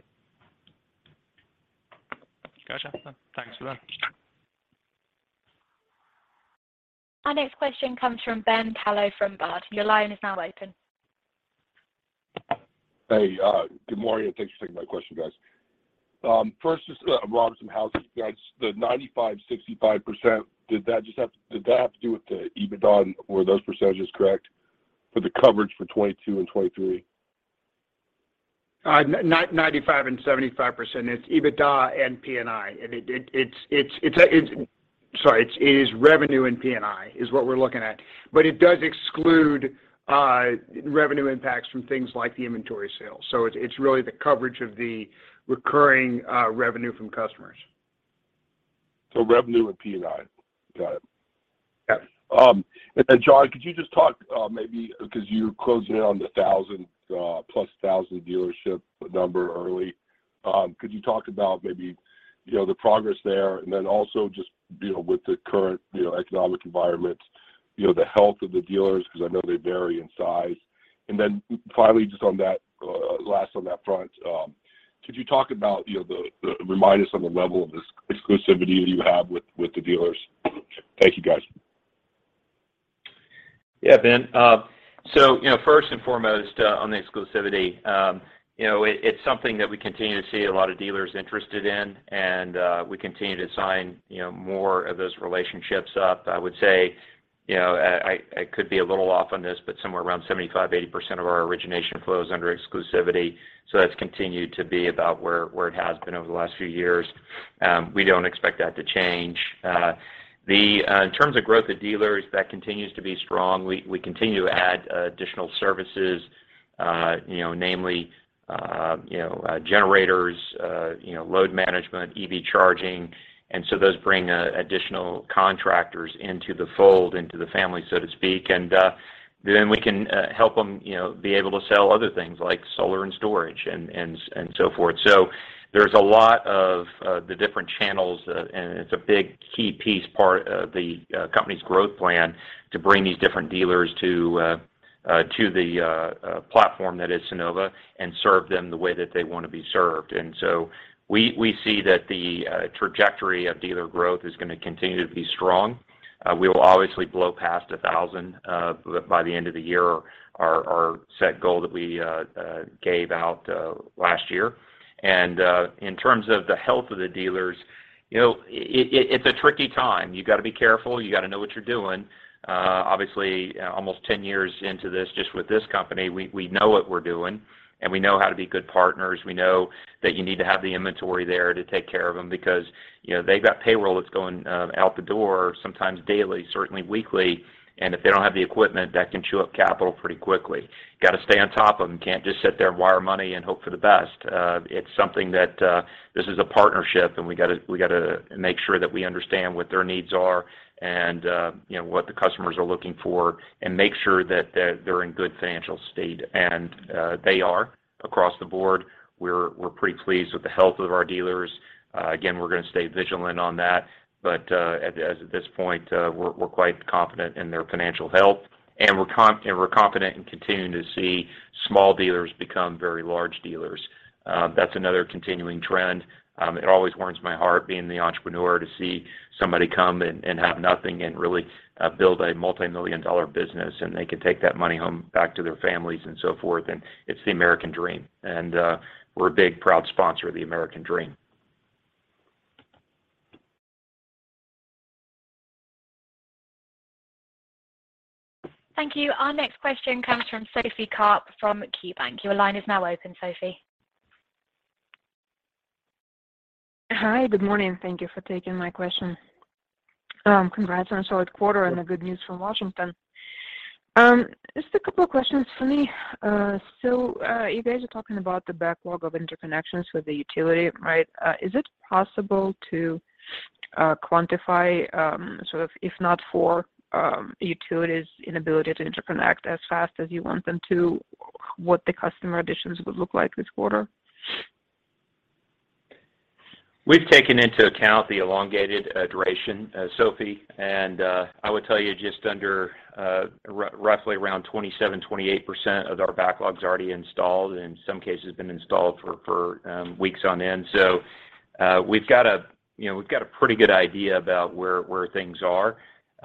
Gotcha. Thanks for that. Our next question comes from Ben Kallo from Baird. Your line is now open. Hey, good morning, and thanks for taking my question, guys. First, just, Robert, some housekeeping. The 95%, 65%, did that have to do with the EBITDA, and were those percentages correct for the coverage for 2022 and 2023? 95% and 75%, it's EBITDA and P&I. It is revenue and P&I is what we're looking at. It does exclude revenue impacts from things like the inventory sales. It is really the coverage of the recurring revenue from customers. Revenue and P&I. Got it. Yes. John, could you just talk, maybe because you're closing in on the 1,000+, 1,000 dealership number early, could you talk about maybe, you know, the progress there and then also just, you know, with the current, you know, economic environment, you know, the health of the dealers because I know they vary in size. Finally, just on that last front, could you talk about, you know, remind us on the level of exclusivity you have with the dealers? Thank you, guys. Yeah, Ben. So you know, first and foremost, on the exclusivity, you know, it's something that we continue to see a lot of dealers interested in, and we continue to sign, you know, more of those relationships up. I would say, you know, I could be a little off on this, but somewhere around 75%-80% of our origination flows under exclusivity. That's continued to be about where it has been over the last few years. We don't expect that to change. In terms of growth of dealers, that continues to be strong. We continue to add additional services, you know, namely, generators, load management, EV charging. Those bring additional contractors into the fold, into the family, so to speak. Then we can help them, you know, be able to sell other things like solar and storage and so forth. There's a lot of the different channels, and it's a big key piece of the company's growth plan to bring these different dealers to the platform that is Sunnova and serve them the way that they wanna be served. We see that the trajectory of dealer growth is gonna continue to be strong. We will obviously blow past 1,000 by the end of the year, our set goal that we gave out last year. In terms of the health of the dealers, you know, it it's a tricky time. You gotta be careful. You gotta know what you're doing. Obviously, almost 10 years into this, just with this company, we know what we're doing, and we know how to be good partners. We know that you need to have the inventory there to take care of them because, you know, they've got payroll that's going out the door sometimes daily, certainly weekly. If they don't have the equipment, that can chew up capital pretty quickly. Gotta stay on top of them. Can't just sit there and wire money and hope for the best. It's something that this is a partnership, and we gotta make sure that we understand what their needs are and, you know, what the customers are looking for and make sure that they're in good financial state. They are across the board. We're pretty pleased with the health of our dealers. Again, we're gonna stay vigilant on that. As of this point, we're quite confident in their financial health, and we're confident in continuing to see small dealers become very large dealers. That's another continuing trend. It always warms my heart being the entrepreneur to see somebody come and have nothing and really build a multimillion dollar business, and they can take that money home back to their families and so forth, and it's the American dream. We're a big proud sponsor of the American dream. Thank you. Our next question comes from Sophie Karp from KeyBanc. Your line is now open, Sophie. Hi. Good morning. Thank you for taking my question. Congrats on a solid quarter. Yeah. The good news from Washington. Just a couple of questions for me. You guys are talking about the backlog of interconnections with the utility, right? Is it possible to quantify sort of, if not for utilities' inability to interconnect as fast as you want them to, what the customer additions would look like this quarter? We've taken into account the elongated duration, Sophie. I would tell you just under roughly around 27%-28% of our backlog's already installed, in some cases been installed for weeks on end. You know we've got a pretty good idea about where things are.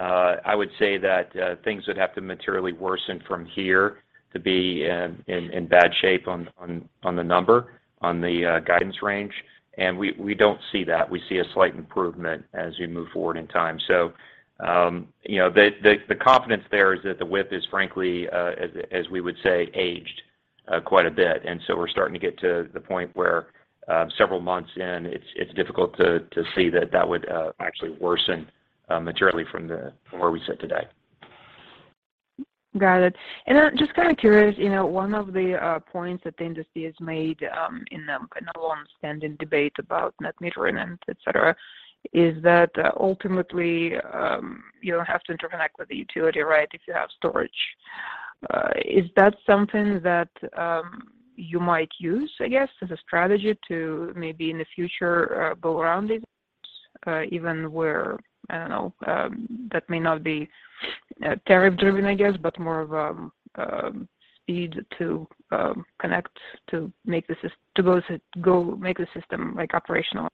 I would say that things would have to materially worsen from here to be in bad shape on the number, on the guidance range. We don't see that. We see a slight improvement as we move forward in time. You know the confidence there is that the WIP is frankly as we would say aged quite a bit. We're starting to get to the point where, several months in, it's difficult to see that would actually worsen materially from where we sit today. Got it. I'm just kinda curious, you know, one of the points that the industry has made in the long-standing debate about net metering and et cetera, is that ultimately you don't have to interconnect with the utility, right, if you have storage. Is that something that you might use, I guess, as a strategy to maybe in the future go around it even where, I don't know, that may not be tariff-driven, I guess, but more of a speed to connect to make the system, like, operational.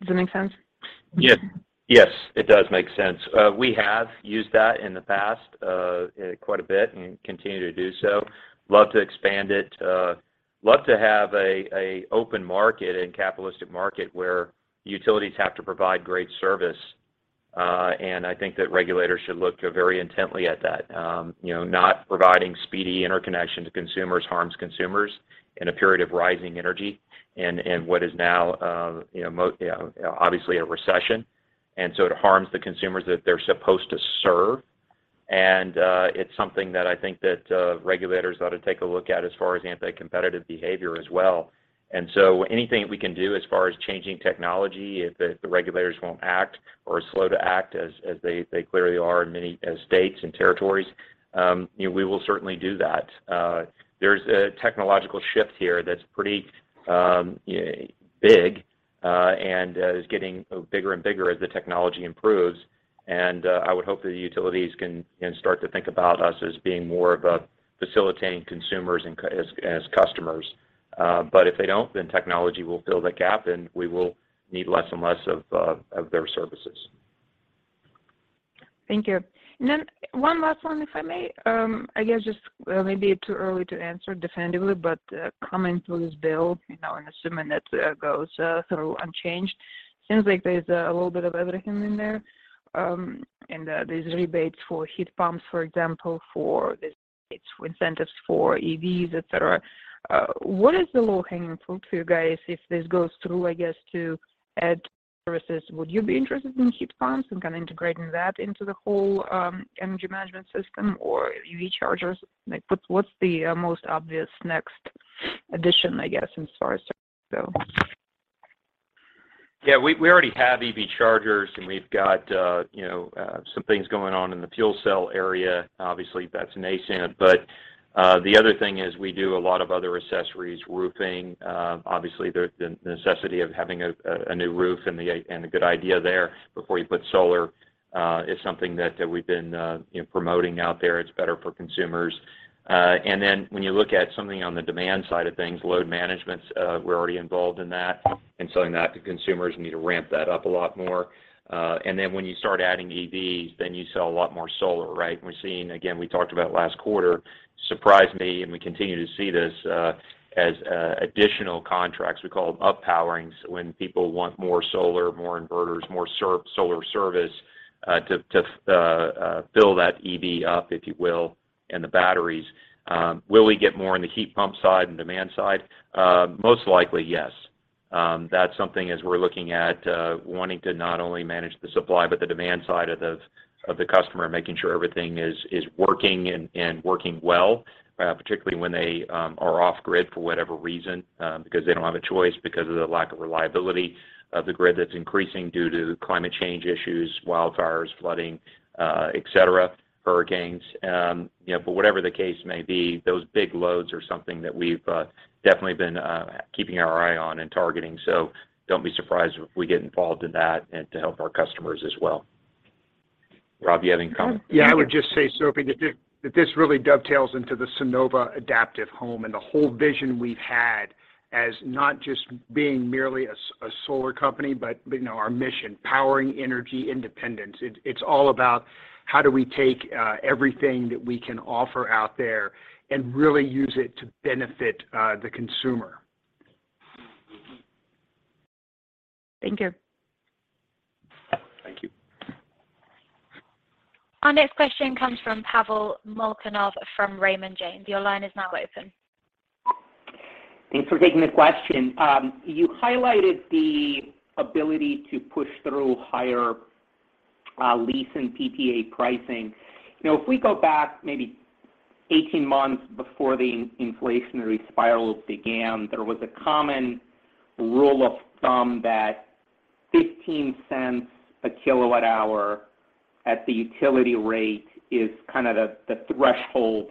Does that make sense? Yes, it does make sense. We have used that in the past, quite a bit and continue to do so. Love to expand it. Love to have an open market, a capitalistic market where utilities have to provide great service. I think that regulators should look very intently at that. You know, not providing speedy interconnection to consumers harms consumers in a period of rising energy and what is now, you know, obviously a recession. It harms the consumers that they're supposed to serve. It's something that I think that regulators ought to take a look at as far as anti-competitive behavior as well. Anything we can do as far as changing technology, if the regulators won't act or are slow to act as they clearly are in many states and territories, you know, we will certainly do that. There's a technological shift here that's pretty big and is getting bigger and bigger as the technology improves. I would hope the utilities can start to think about us as being more of a facilitating consumers and as customers. But if they don't, then technology will fill the gap, and we will need less and less of their services. Thank you. Then one last one, if I may. I guess just, well, maybe too early to answer definitively, but comment on this bill, you know, and assuming that goes through unchanged. Seems like there's a little bit of everything in there, and there's rebates for heat pumps, for example, for this Yeah. Incentives for EVs, et cetera. What is the low-hanging fruit for you guys if this goes through, I guess, to add services? Would you be interested in heat pumps and kinda integrating that into the whole, energy management system or EV chargers? Like, what's the most obvious next addition, I guess, as far as that goes? Yeah. We already have EV chargers, and we've got you know some things going on in the fuel cell area. Obviously, that's nascent. The other thing is we do a lot of other accessories, roofing. Obviously the necessity of having a new roof and a good idea there before you put solar is something that we've been you know promoting out there. It's better for consumers. When you look at something on the demand side of things, load managements, we're already involved in that and selling that to consumers. Need to ramp that up a lot more. When you start adding EVs, then you sell a lot more solar, right? We're seeing, again, we talked about last quarter, surprised me, and we continue to see this, as additional contracts. We call them up-powerings, when people want more solar, more inverters, more solar service, to fill that EV up, if you will, and the batteries. Will we get more in the heat pump side and demand side? Most likely, yes. That's something as we're looking at, wanting to not only manage the supply but the demand side of the customer, making sure everything is working and working well, particularly when they are off grid for whatever reason, because they don't have a choice because of the lack of reliability of the grid that's increasing due to climate change issues, wildfires, flooding, et cetera, hurricanes. You know, whatever the case may be, those big loads are something that we've definitely been keeping our eye on and targeting. Don't be surprised if we get involved in that and to help our customers as well. Rob, you have anything? Yeah, I would just say, Sophie, that this really dovetails into the Sunnova Adaptive Home and the whole vision we've had as not just being merely a solar company, but you know, our mission, powering energy independence. It's all about how do we take everything that we can offer out there and really use it to benefit the consumer. Thank you. Thank you. Our next question comes from Pavel Molchanov from Raymond James. Your line is now open. Thanks for taking the question. You highlighted the ability to push through higher lease and PPA pricing. You know, if we go back maybe 18 months before the inflationary spirals began, there was a common rule of thumb that $0.15/kWh at the utility rate is kind of the threshold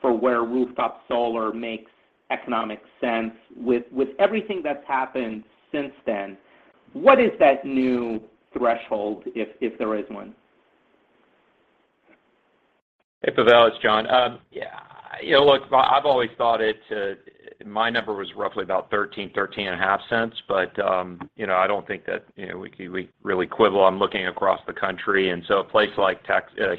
for where rooftop solar makes economic sense. With everything that's happened since then, what is that new threshold if there is one? Hey, Pavel, it's John. You know, look, I've always thought my number was roughly about $0.135. You know, I don't think that we really quibble on looking across the country. A place like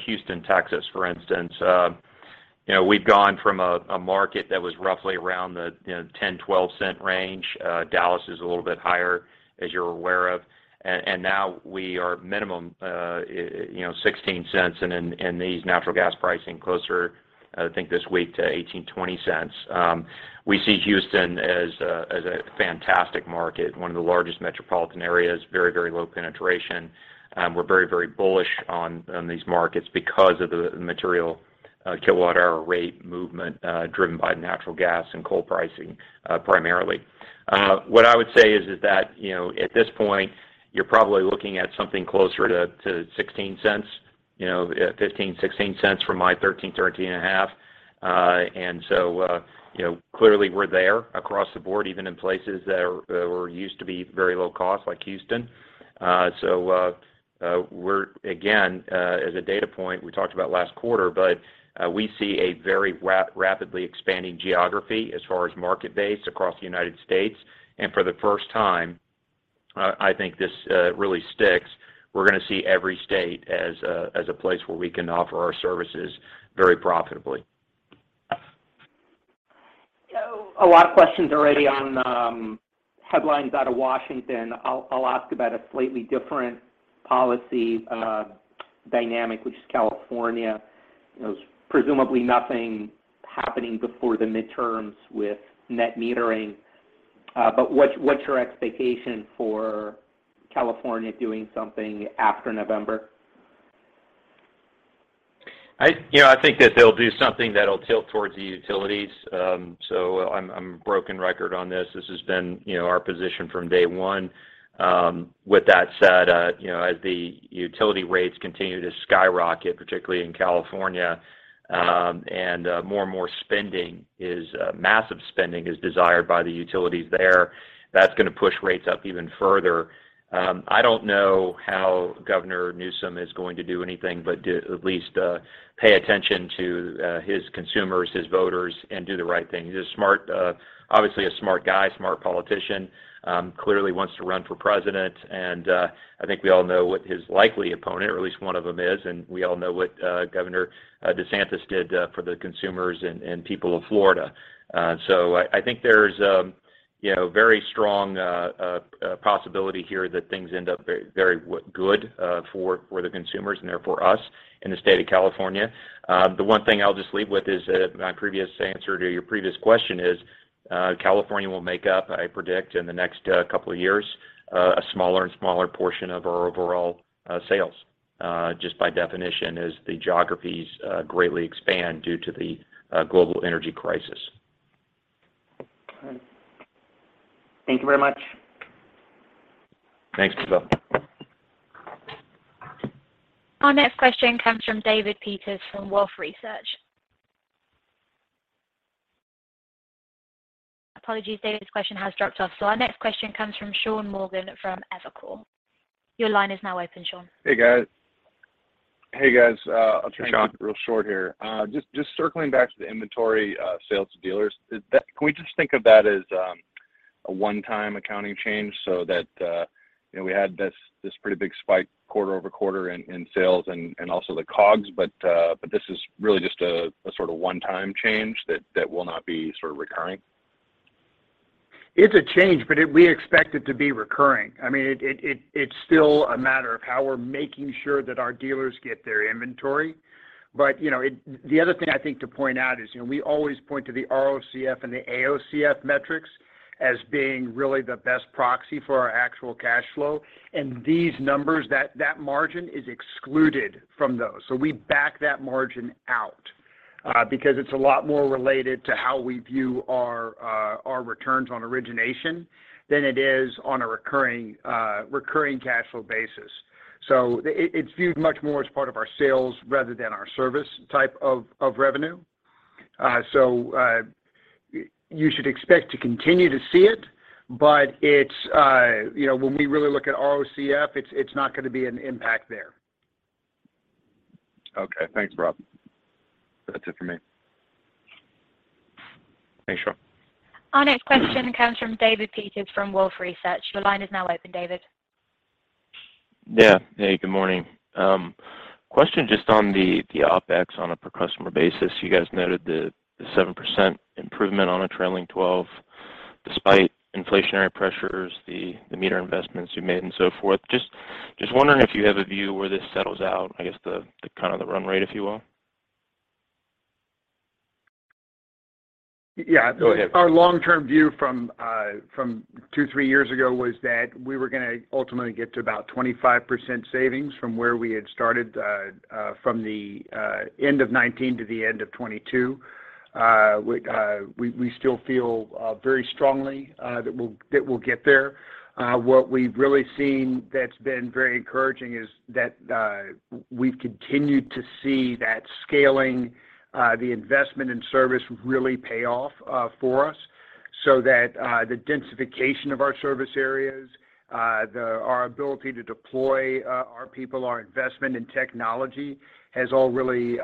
Houston, Texas, for instance, you know, we've gone from a market that was roughly around the $0.10-$0.12 range. Dallas is a little bit higher, as you're aware of. Now we are minimum $0.16. Then with these natural gas prices closer, I think this week to $0.18-$0.20. We see Houston as a fantastic market. One of the largest metropolitan areas, very, very low penetration. We're very, very bullish on these markets because of the material kilowatt hour rate movement driven by natural gas and coal pricing primarily. What I would say is that, you know, at this point, you're probably looking at something closer to $0.16, you know, $0.15-$0.16 from my $0.13-$0.135. You know, clearly we're there across the board, even in places that used to be very low cost, like Houston. We're again, as a data point, we talked about last quarter, but we see a very rapidly expanding geography as far as market base across the United States. For the first time, I think this really sticks. We're gonna see every state as a place where we can offer our services very profitably. A lot of questions already on headlines out of Washington. I'll ask about a slightly different policy dynamic, which is California. You know, presumably nothing happening before the midterms with net metering. What's your expectation for California doing something after November? You know, I think that they'll do something that'll tilt towards the utilities. I'm a broken record on this. This has been our position from day one. With that said, you know, as the utility rates continue to skyrocket, particularly in California, and massive spending is desired by the utilities there, that's gonna push rates up even further. I don't know how Governor Newsom is going to do anything but to at least pay attention to his consumers, his voters, and do the right thing. He's a smart, obviously a smart guy, smart politician, clearly wants to run for president. I think we all know what his likely opponent or at least one of them is, and we all know what Governor DeSantis did for the consumers and people of Florida. I think there's you know very strong possibility here that things end up very good for the consumers and therefore us in the state of California. The one thing I'll just leave with is my previous answer to your previous question is California will make up, I predict in the next couple of years, a smaller and smaller portion of our overall sales just by definition as the geographies greatly expand due to the global energy crisis. All right. Thank you very much. Thanks, Pavel. Our next question comes from David Peters from Wolfe Research. Apologies, David's question has dropped off. Our next question comes from Sean Morgan from Evercore. Your line is now open, Sean. Hey, guys. Hey, Sean. I'll try and keep it real short here. Just circling back to the inventory, sales to dealers. Is that, can we just think of that as a one-time accounting change so that, you know, we had this pretty big spike quarter-over-quarter in sales and also the COGS, but this is really just a sort of one-time change that will not be sort of recurring? It's a change, but we expect it to be recurring. I mean, it's still a matter of how we're making sure that our dealers get their inventory. You know, the other thing I think to point out is, you know, we always point to the ROCF and the AOCF metrics as being really the best proxy for our actual cash flow. These numbers, that margin is excluded from those. We back that margin out, because it's a lot more related to how we view our returns on origination than it is on a recurring cash flow basis. It's viewed much more as part of our sales rather than our service type of revenue. You should expect to continue to see it, but you know, when we really look at ROCF, it's not gonna be an impact there. Okay. Thanks, Rob. That's it for me. Thanks, Rob. Our next question comes from David Peters from Wolfe Research. Your line is now open, David. Yeah. Hey, good morning. Question just on the OpEx on a per customer basis. You guys noted the 7% improvement on a trailing twelve despite inflationary pressures, the meter investments you made and so forth. Just wondering if you have a view where this settles out, I guess, the kind of run rate, if you will. Yeah. Go ahead. Our long-term view from two, three years ago was that we were gonna ultimately get to about 25% savings from where we had started, from the end of 2019 to the end of 2022. We still feel very strongly that we'll get there. What we've really seen that's been very encouraging is that we've continued to see that scaling the investment in service really pay off for us so that the densification of our service areas, our ability to deploy our people, our investment in technology has all really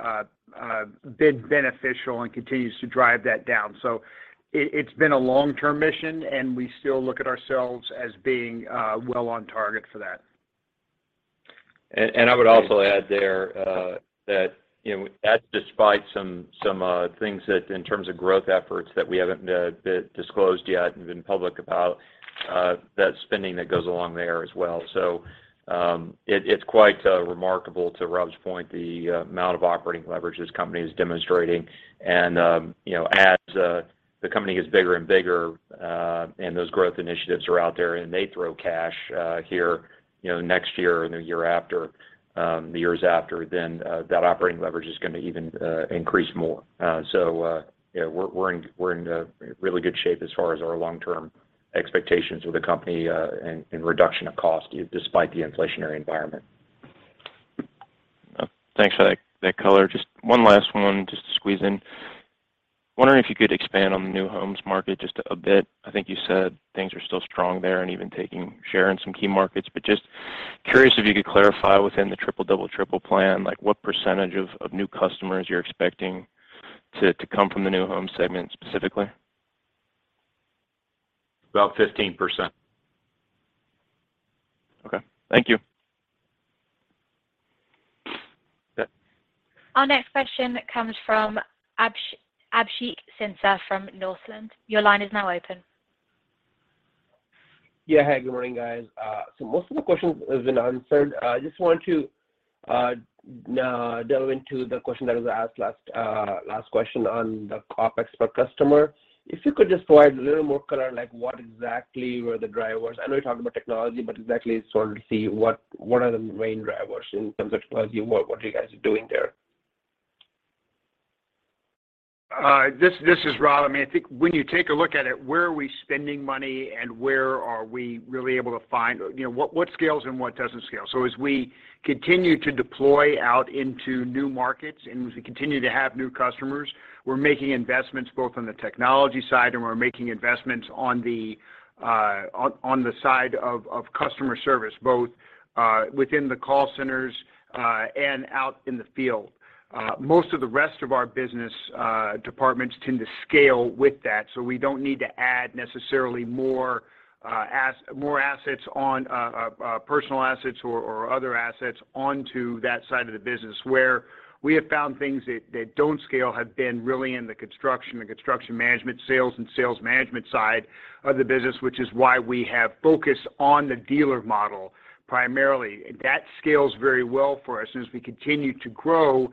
been beneficial and continues to drive that down. It's been a long-term mission, and we still look at ourselves as being well on target for that. I would also add there that, you know, that despite some things that in terms of growth efforts that we haven't disclosed yet and been public about, that spending that goes along there as well. It's quite remarkable, to Rob's point, the amount of operating leverage this company is demonstrating. You know, as the company gets bigger and bigger, and those growth initiatives are out there, and they throw cash here, you know, next year and the year after, the years after, then that operating leverage is gonna even increase more. We're in really good shape as far as our long-term expectations with the company, and reduction of cost despite the inflationary environment. Thanks for that color. Just one last one just to squeeze in. Wondering if you could expand on the new homes market just a bit. I think you said things are still strong there and even taking share in some key markets, but just curious if you could clarify within the Triple-Double Triple Plan, like what percentage of new customers you're expecting to come from the new home segment specifically? About 15%. Okay. Thank you. Yeah. Our next question comes from Abhishek Sinha from Northland. Your line is now open. Yeah. Hi, good morning, guys. Most of the questions have been answered. I just want to delve into the last question on the OpEx per customer. If you could just provide a little more color, like what exactly were the drivers? I know you talked about technology, but exactly sort of see what are the main drivers in terms of technology? What you guys are doing there? This is Rob. I mean, I think when you take a look at it, where are we spending money and where are we really able to find you know what scales and what doesn't scale? As we continue to deploy out into new markets and as we continue to have new customers, we're making investments both on the technology side and we're making investments on the side of customer service, both within the call centers and out in the field. Most of the rest of our business departments tend to scale with that, so we don't need to add necessarily more personnel assets or other assets onto that side of the business. Where we have found things that don't scale have been really in the construction management, sales and sales management side of the business, which is why we have focused on the dealer model primarily. That scales very well for us. As we continue to grow,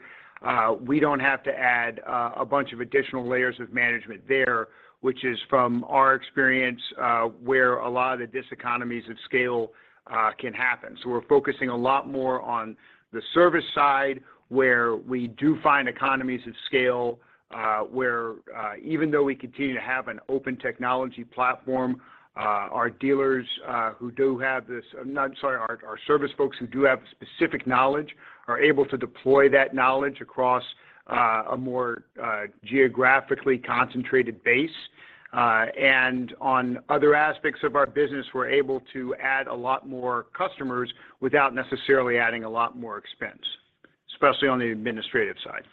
we don't have to add a bunch of additional layers of management there, which is from our experience, where a lot of the diseconomies of scale can happen. We're focusing a lot more on the service side, where we do find economies of scale, where even though we continue to have an open technology platform, our service folks who do have specific knowledge are able to deploy that knowledge across a more geographically concentrated base. On other aspects of our business, we're able to add a lot more customers without necessarily adding a lot more expense, especially on the administrative side.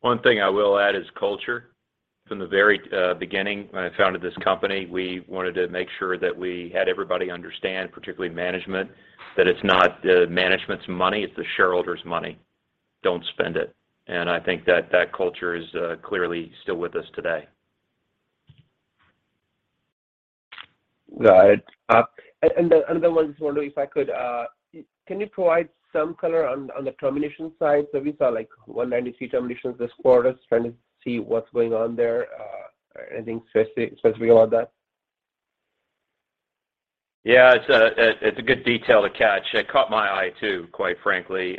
One thing I will add is culture. From the very beginning when I founded this company, we wanted to make sure that we had everybody understand, particularly management, that it's not management's money, it's the shareholders' money. Don't spend it. I think that culture is clearly still with us today. Got it. And another one, just wondering if I could, can you provide some color on the termination side? We saw like 193 terminations this quarter. Just trying to see what's going on there. Anything specific about that? Yeah. It's a good detail to catch. It caught my eye too, quite frankly.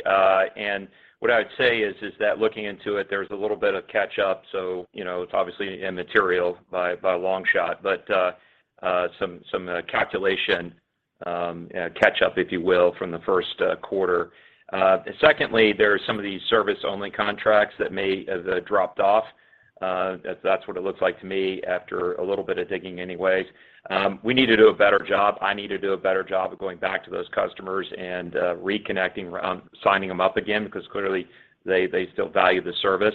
What I would say is that looking into it, there's a little bit of catch up. You know, it's obviously immaterial by a long shot. Some calculation catch up, if you will, from the first quarter. Secondly, there are some of these service-only contracts that may have dropped off. That's what it looks like to me after a little bit of digging anyways. We need to do a better job. I need to do a better job of going back to those customers and signing them up again because clearly they still value the service.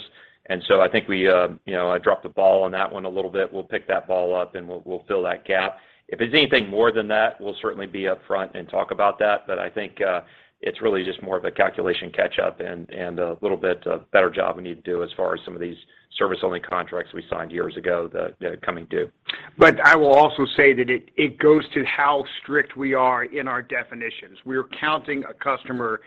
I think, you know, I dropped the ball on that one a little bit. We'll pick that ball up, and we'll fill that gap. If it's anything more than that, we'll certainly be upfront and talk about that. I think, it's really just more of a calculation catch-up and a little bit of better job we need to do as far as some of these service-only contracts we signed years ago that are coming due. I will also say that it goes to how strict we are in our definitions. We're counting a customer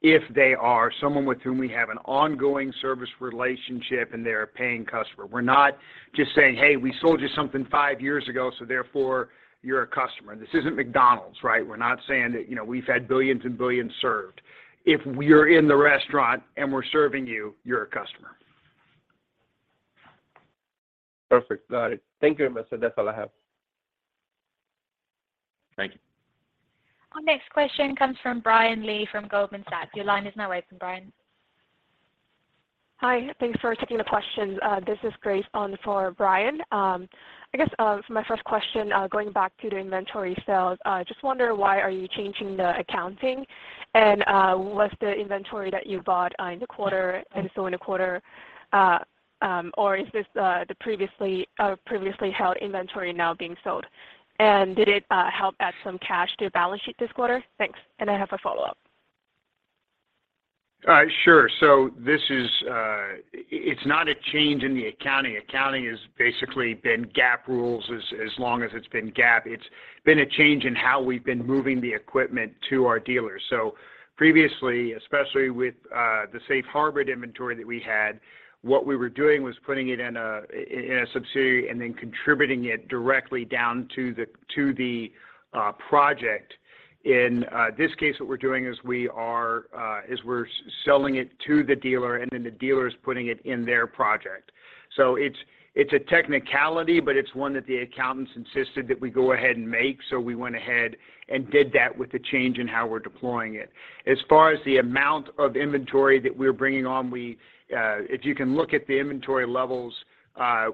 if they are someone with whom we have an ongoing service relationship, and they're a paying customer. We're not just saying, "Hey, we sold you something five years ago, so therefore you're a customer." This isn't McDonald's, right? We're not saying that, you know, we've had billions and billions served. If we're in the restaurant and we're serving you're a customer. Perfect. Got it. Thank you very much, sir. That's all I have. Thank you. Our next question comes from Brian Lee from Goldman Sachs. Your line is now open, Brian. Hi. Thanks for taking the questions. This is Grace on for Brian. I guess, for my first question, going back to the inventory sales, just wonder why are you changing the accounting? Was the inventory that you bought in the quarter and sold in the quarter, or is this the previously held inventory now being sold? Did it help add some cash to your balance sheet this quarter? Thanks. I have a follow-up. Sure. This is not a change in the accounting. Accounting has basically been GAAP rules as long as it's been GAAP. It's been a change in how we've been moving the equipment to our dealers. Previously, especially with the Safe Harbor inventory that we had, what we were doing was putting it in a subsidiary and then contributing it directly down to the project. In this case, what we're doing is we're selling it to the dealer, and then the dealer is putting it in their project. It's a technicality, but it's one that the accountants insisted that we go ahead and make, so we went ahead and did that with the change in how we're deploying it. As far as the amount of inventory that we're bringing on, if you can look at the inventory levels,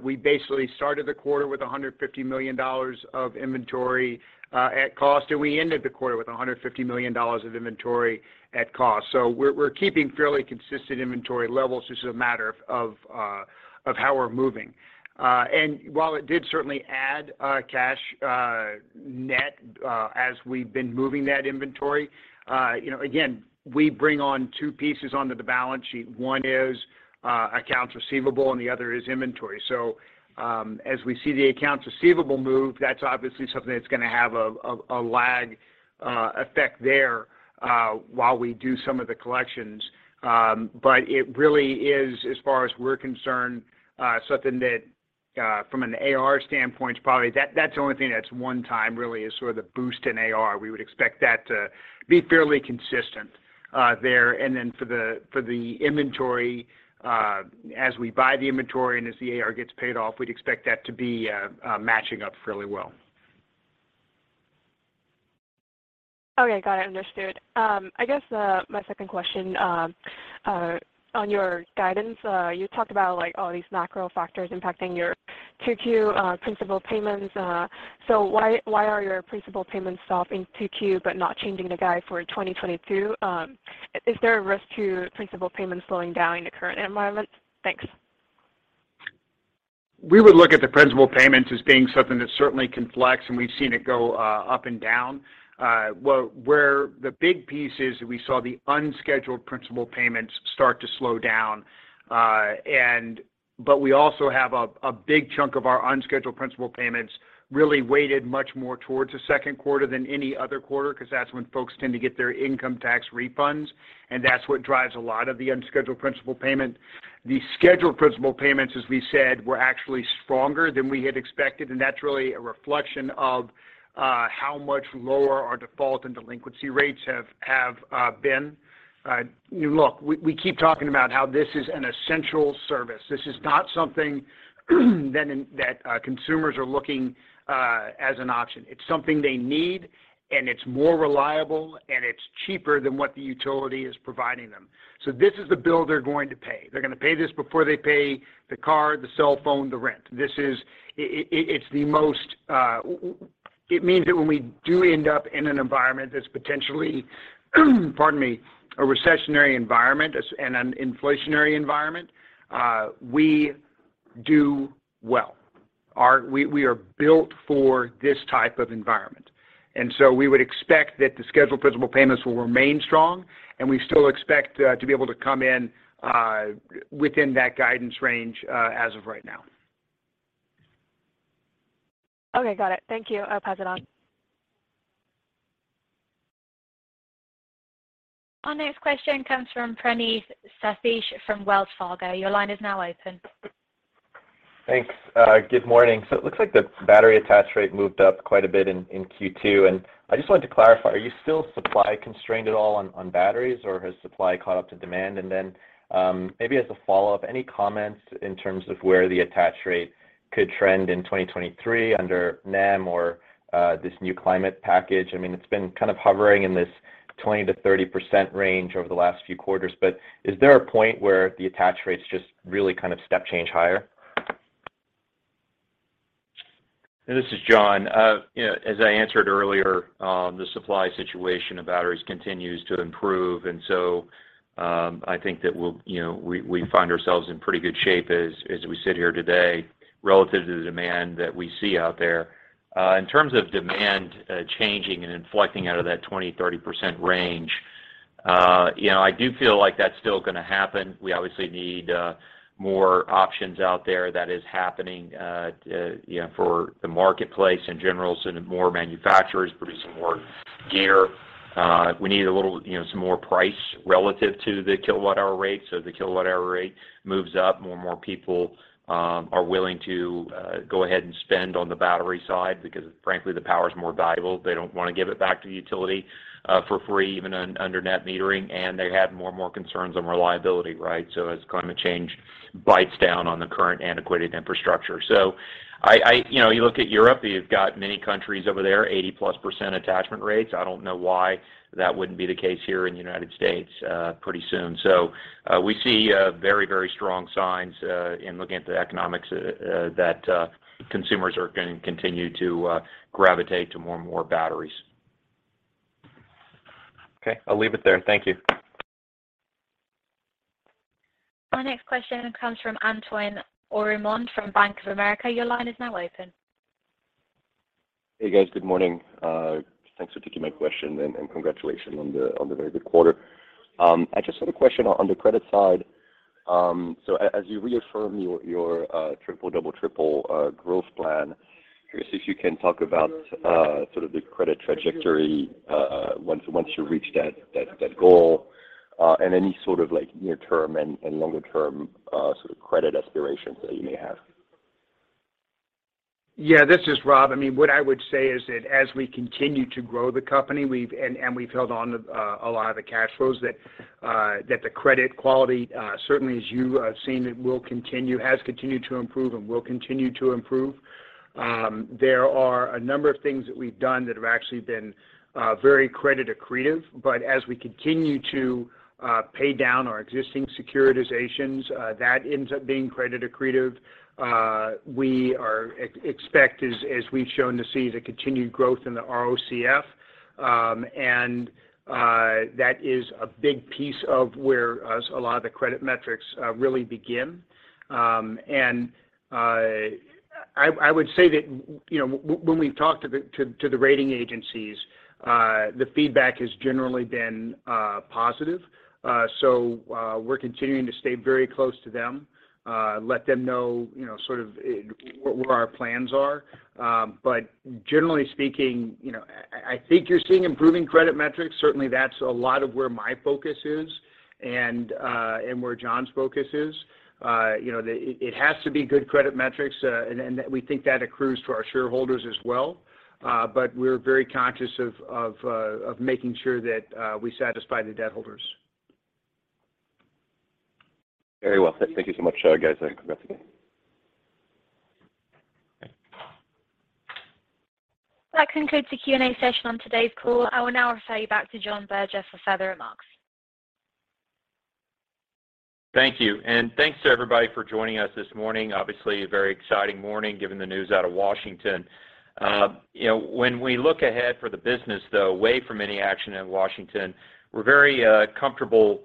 we basically started the quarter with $150 million of inventory at cost, and we ended the quarter with $150 million of inventory at cost. We're keeping fairly consistent inventory levels. This is a matter of how we're moving. While it did certainly add cash net as we've been moving that inventory, you know, again, we bring on two pieces onto the balance sheet. One is accounts receivable, and the other is inventory. As we see the accounts receivable move, that's obviously something that's gonna have a lag effect there while we do some of the collections. It really is, as far as we're concerned, something that from an AR standpoint that's the only thing that's one-time really is sort of the boost in AR. We would expect that to be fairly consistent there. For the inventory, as we buy the inventory and as the AR gets paid off, we'd expect that to be matching up fairly well. Okay. Got it. Understood. I guess my second question on your guidance you talked about, like, all these macro factors impacting your 2Q principal payments. Why are your principal payments soft in 2Q but not changing the guide for 2022? Is there a risk to principal payments slowing down in the current environment? Thanks. We would look at the principal payments as being something that certainly can flex, and we've seen it go, up and down. Where the big piece is that we saw the unscheduled principal payments start to slow down. We also have a big chunk of our unscheduled principal payments really weighted much more towards the second quarter than any other quarter because that's when folks tend to get their income tax refunds, and that's what drives a lot of the unscheduled principal payment. The scheduled principal payments, as we said, were actually stronger than we had expected, and that's really a reflection of, how much lower our default and delinquency rates have been. Look, we keep talking about how this is an essential service. This is not something that consumers are looking as an option. It's something they need, and it's more reliable, and it's cheaper than what the utility is providing them. This is the bill they're going to pay. They're gonna pay this before they pay the car, the cell phone, the rent. This is the most. It means that when we do end up in an environment that's potentially, pardon me, a recessionary environment and an inflationary environment, we do well. We are built for this type of environment. We would expect that the scheduled principal payments will remain strong, and we still expect to be able to come in within that guidance range as of right now. Okay. Got it. Thank you. I'll pass it on. Our next question comes from Praneeth Satish from Wells Fargo. Your line is now open. Thanks. Good morning. It looks like the battery attach rate moved up quite a bit in Q2, and I just wanted to clarify, are you still supply constrained at all on batteries or has supply caught up to demand? Then, maybe as a follow-up, any comments in terms of where the attach rate could trend in 2023 under NEM or this new climate package? I mean, it's been kind of hovering in this 20%-30% range over the last few quarters, but is there a point where the attach rate's just really kind of step change higher? This is John. You know, as I answered earlier, the supply situation of batteries continues to improve. I think that we'll, you know, we find ourselves in pretty good shape as we sit here today relative to the demand that we see out there. In terms of demand, changing and inflecting out of that 20%-30% range, you know, I do feel like that's still gonna happen. We obviously need more options out there. That is happening, you know, for the marketplace in general, so need more manufacturers producing more gear. We need a little, you know, some more price relative to the kilowatt-hour rate. As the kilowatt-hour rate moves up, more and more people are willing to go ahead and spend on the battery side because frankly, the power is more valuable. They don't wanna give it back to the utility for free, even under net metering, and they have more and more concerns on reliability, right? As climate change bites down on the current antiquated infrastructure. You know, you look at Europe, you've got many countries over there, 80%+ attachment rates. I don't know why that wouldn't be the case here in the United States pretty soon. We see very strong signs in looking at the economics that consumers are gonna continue to gravitate to more and more batteries. Okay. I'll leave it there. Thank you. Our next question comes from Antoine Aurimond from Bank of America. Your line is now open. Hey, guys. Good morning. Thanks for taking my question, and congratulations on the very good quarter. I just had a question on the credit side. As you reaffirm your Triple-Double Triple Plan, curious if you can talk about sort of the credit trajectory once you reach that goal, and any sort of like near term and longer term sort of credit aspirations that you may have. Yeah. This is Rob. I mean, what I would say is that as we continue to grow the company, and we've held on to a lot of the cash flows that the credit quality, certainly as you have seen, has continued to improve and will continue to improve. There are a number of things that we've done that have actually been very credit accretive. As we continue to pay down our existing securitizations, that ends up being credit accretive. We expect, as we've shown, to see the continued growth in the ROCF, and that is a big piece of whereas a lot of the credit metrics really begin. I would say that, you know, when we've talked to the rating agencies, the feedback has generally been positive. We're continuing to stay very close to them, let them know, you know, sort of, where our plans are. Generally speaking, you know, I think you're seeing improving credit metrics. Certainly, that's a lot of where my focus is and where John's focus is. You know, it has to be good credit metrics. We think that accrues to our shareholders as well. We're very conscious of making sure that we satisfy the debt holders. Very well said. Thank you so much, guys. Congrats again. That concludes the Q&A session on today's call. I will now refer you back to John Berger for further remarks. Thank you, and thanks to everybody for joining us this morning. Obviously, a very exciting morning given the news out of Washington. You know, when we look ahead for the business, though, away from any action in Washington, we're very comfortable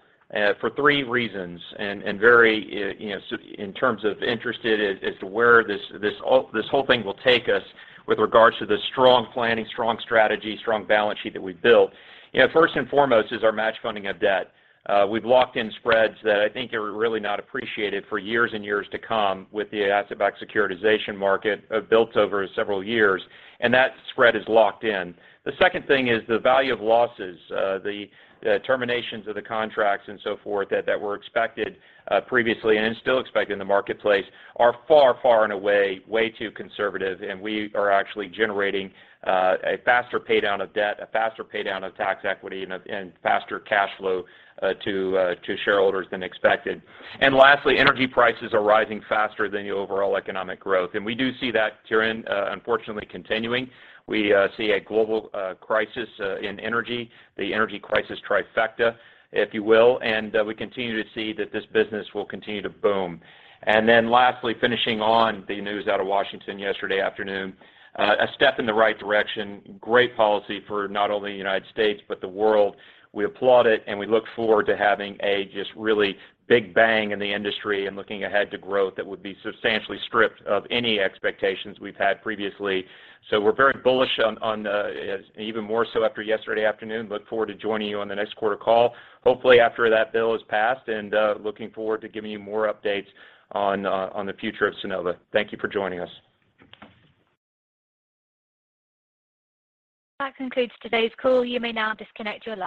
for three reasons and very you know, so in terms of interested as to where this whole thing will take us with regards to the strong planning, strong strategy, strong balance sheet that we've built. You know, first and foremost is our match funding of debt. We've locked in spreads that I think are really not appreciated for years and years to come with the asset-backed securitization market, built over several years, and that spread is locked in. The second thing is the value of losses. The terminations of the contracts and so forth that were expected previously and still expected in the marketplace are far and away way too conservative, and we are actually generating a faster pay down of debt, a faster pay down of tax equity, and faster cash flow to shareholders than expected. Lastly, energy prices are rising faster than the overall economic growth. We do see that trend unfortunately continuing. We see a global crisis in energy, the energy crisis trifecta, if you will, and we continue to see that this business will continue to boom. Lastly, finishing on the news out of Washington yesterday afternoon, a step in the right direction. Great policy for not only the United States but the world. We applaud it, and we look forward to having a just really big bang in the industry and looking ahead to growth that would be substantially stripped of any expectations we've had previously. We're very bullish on even more so after yesterday afternoon. Look forward to joining you on the next quarter call. Hopefully after that bill is passed, and looking forward to giving you more updates on the future of Sunnova. Thank you for joining us. That concludes today's call. You may now disconnect your line.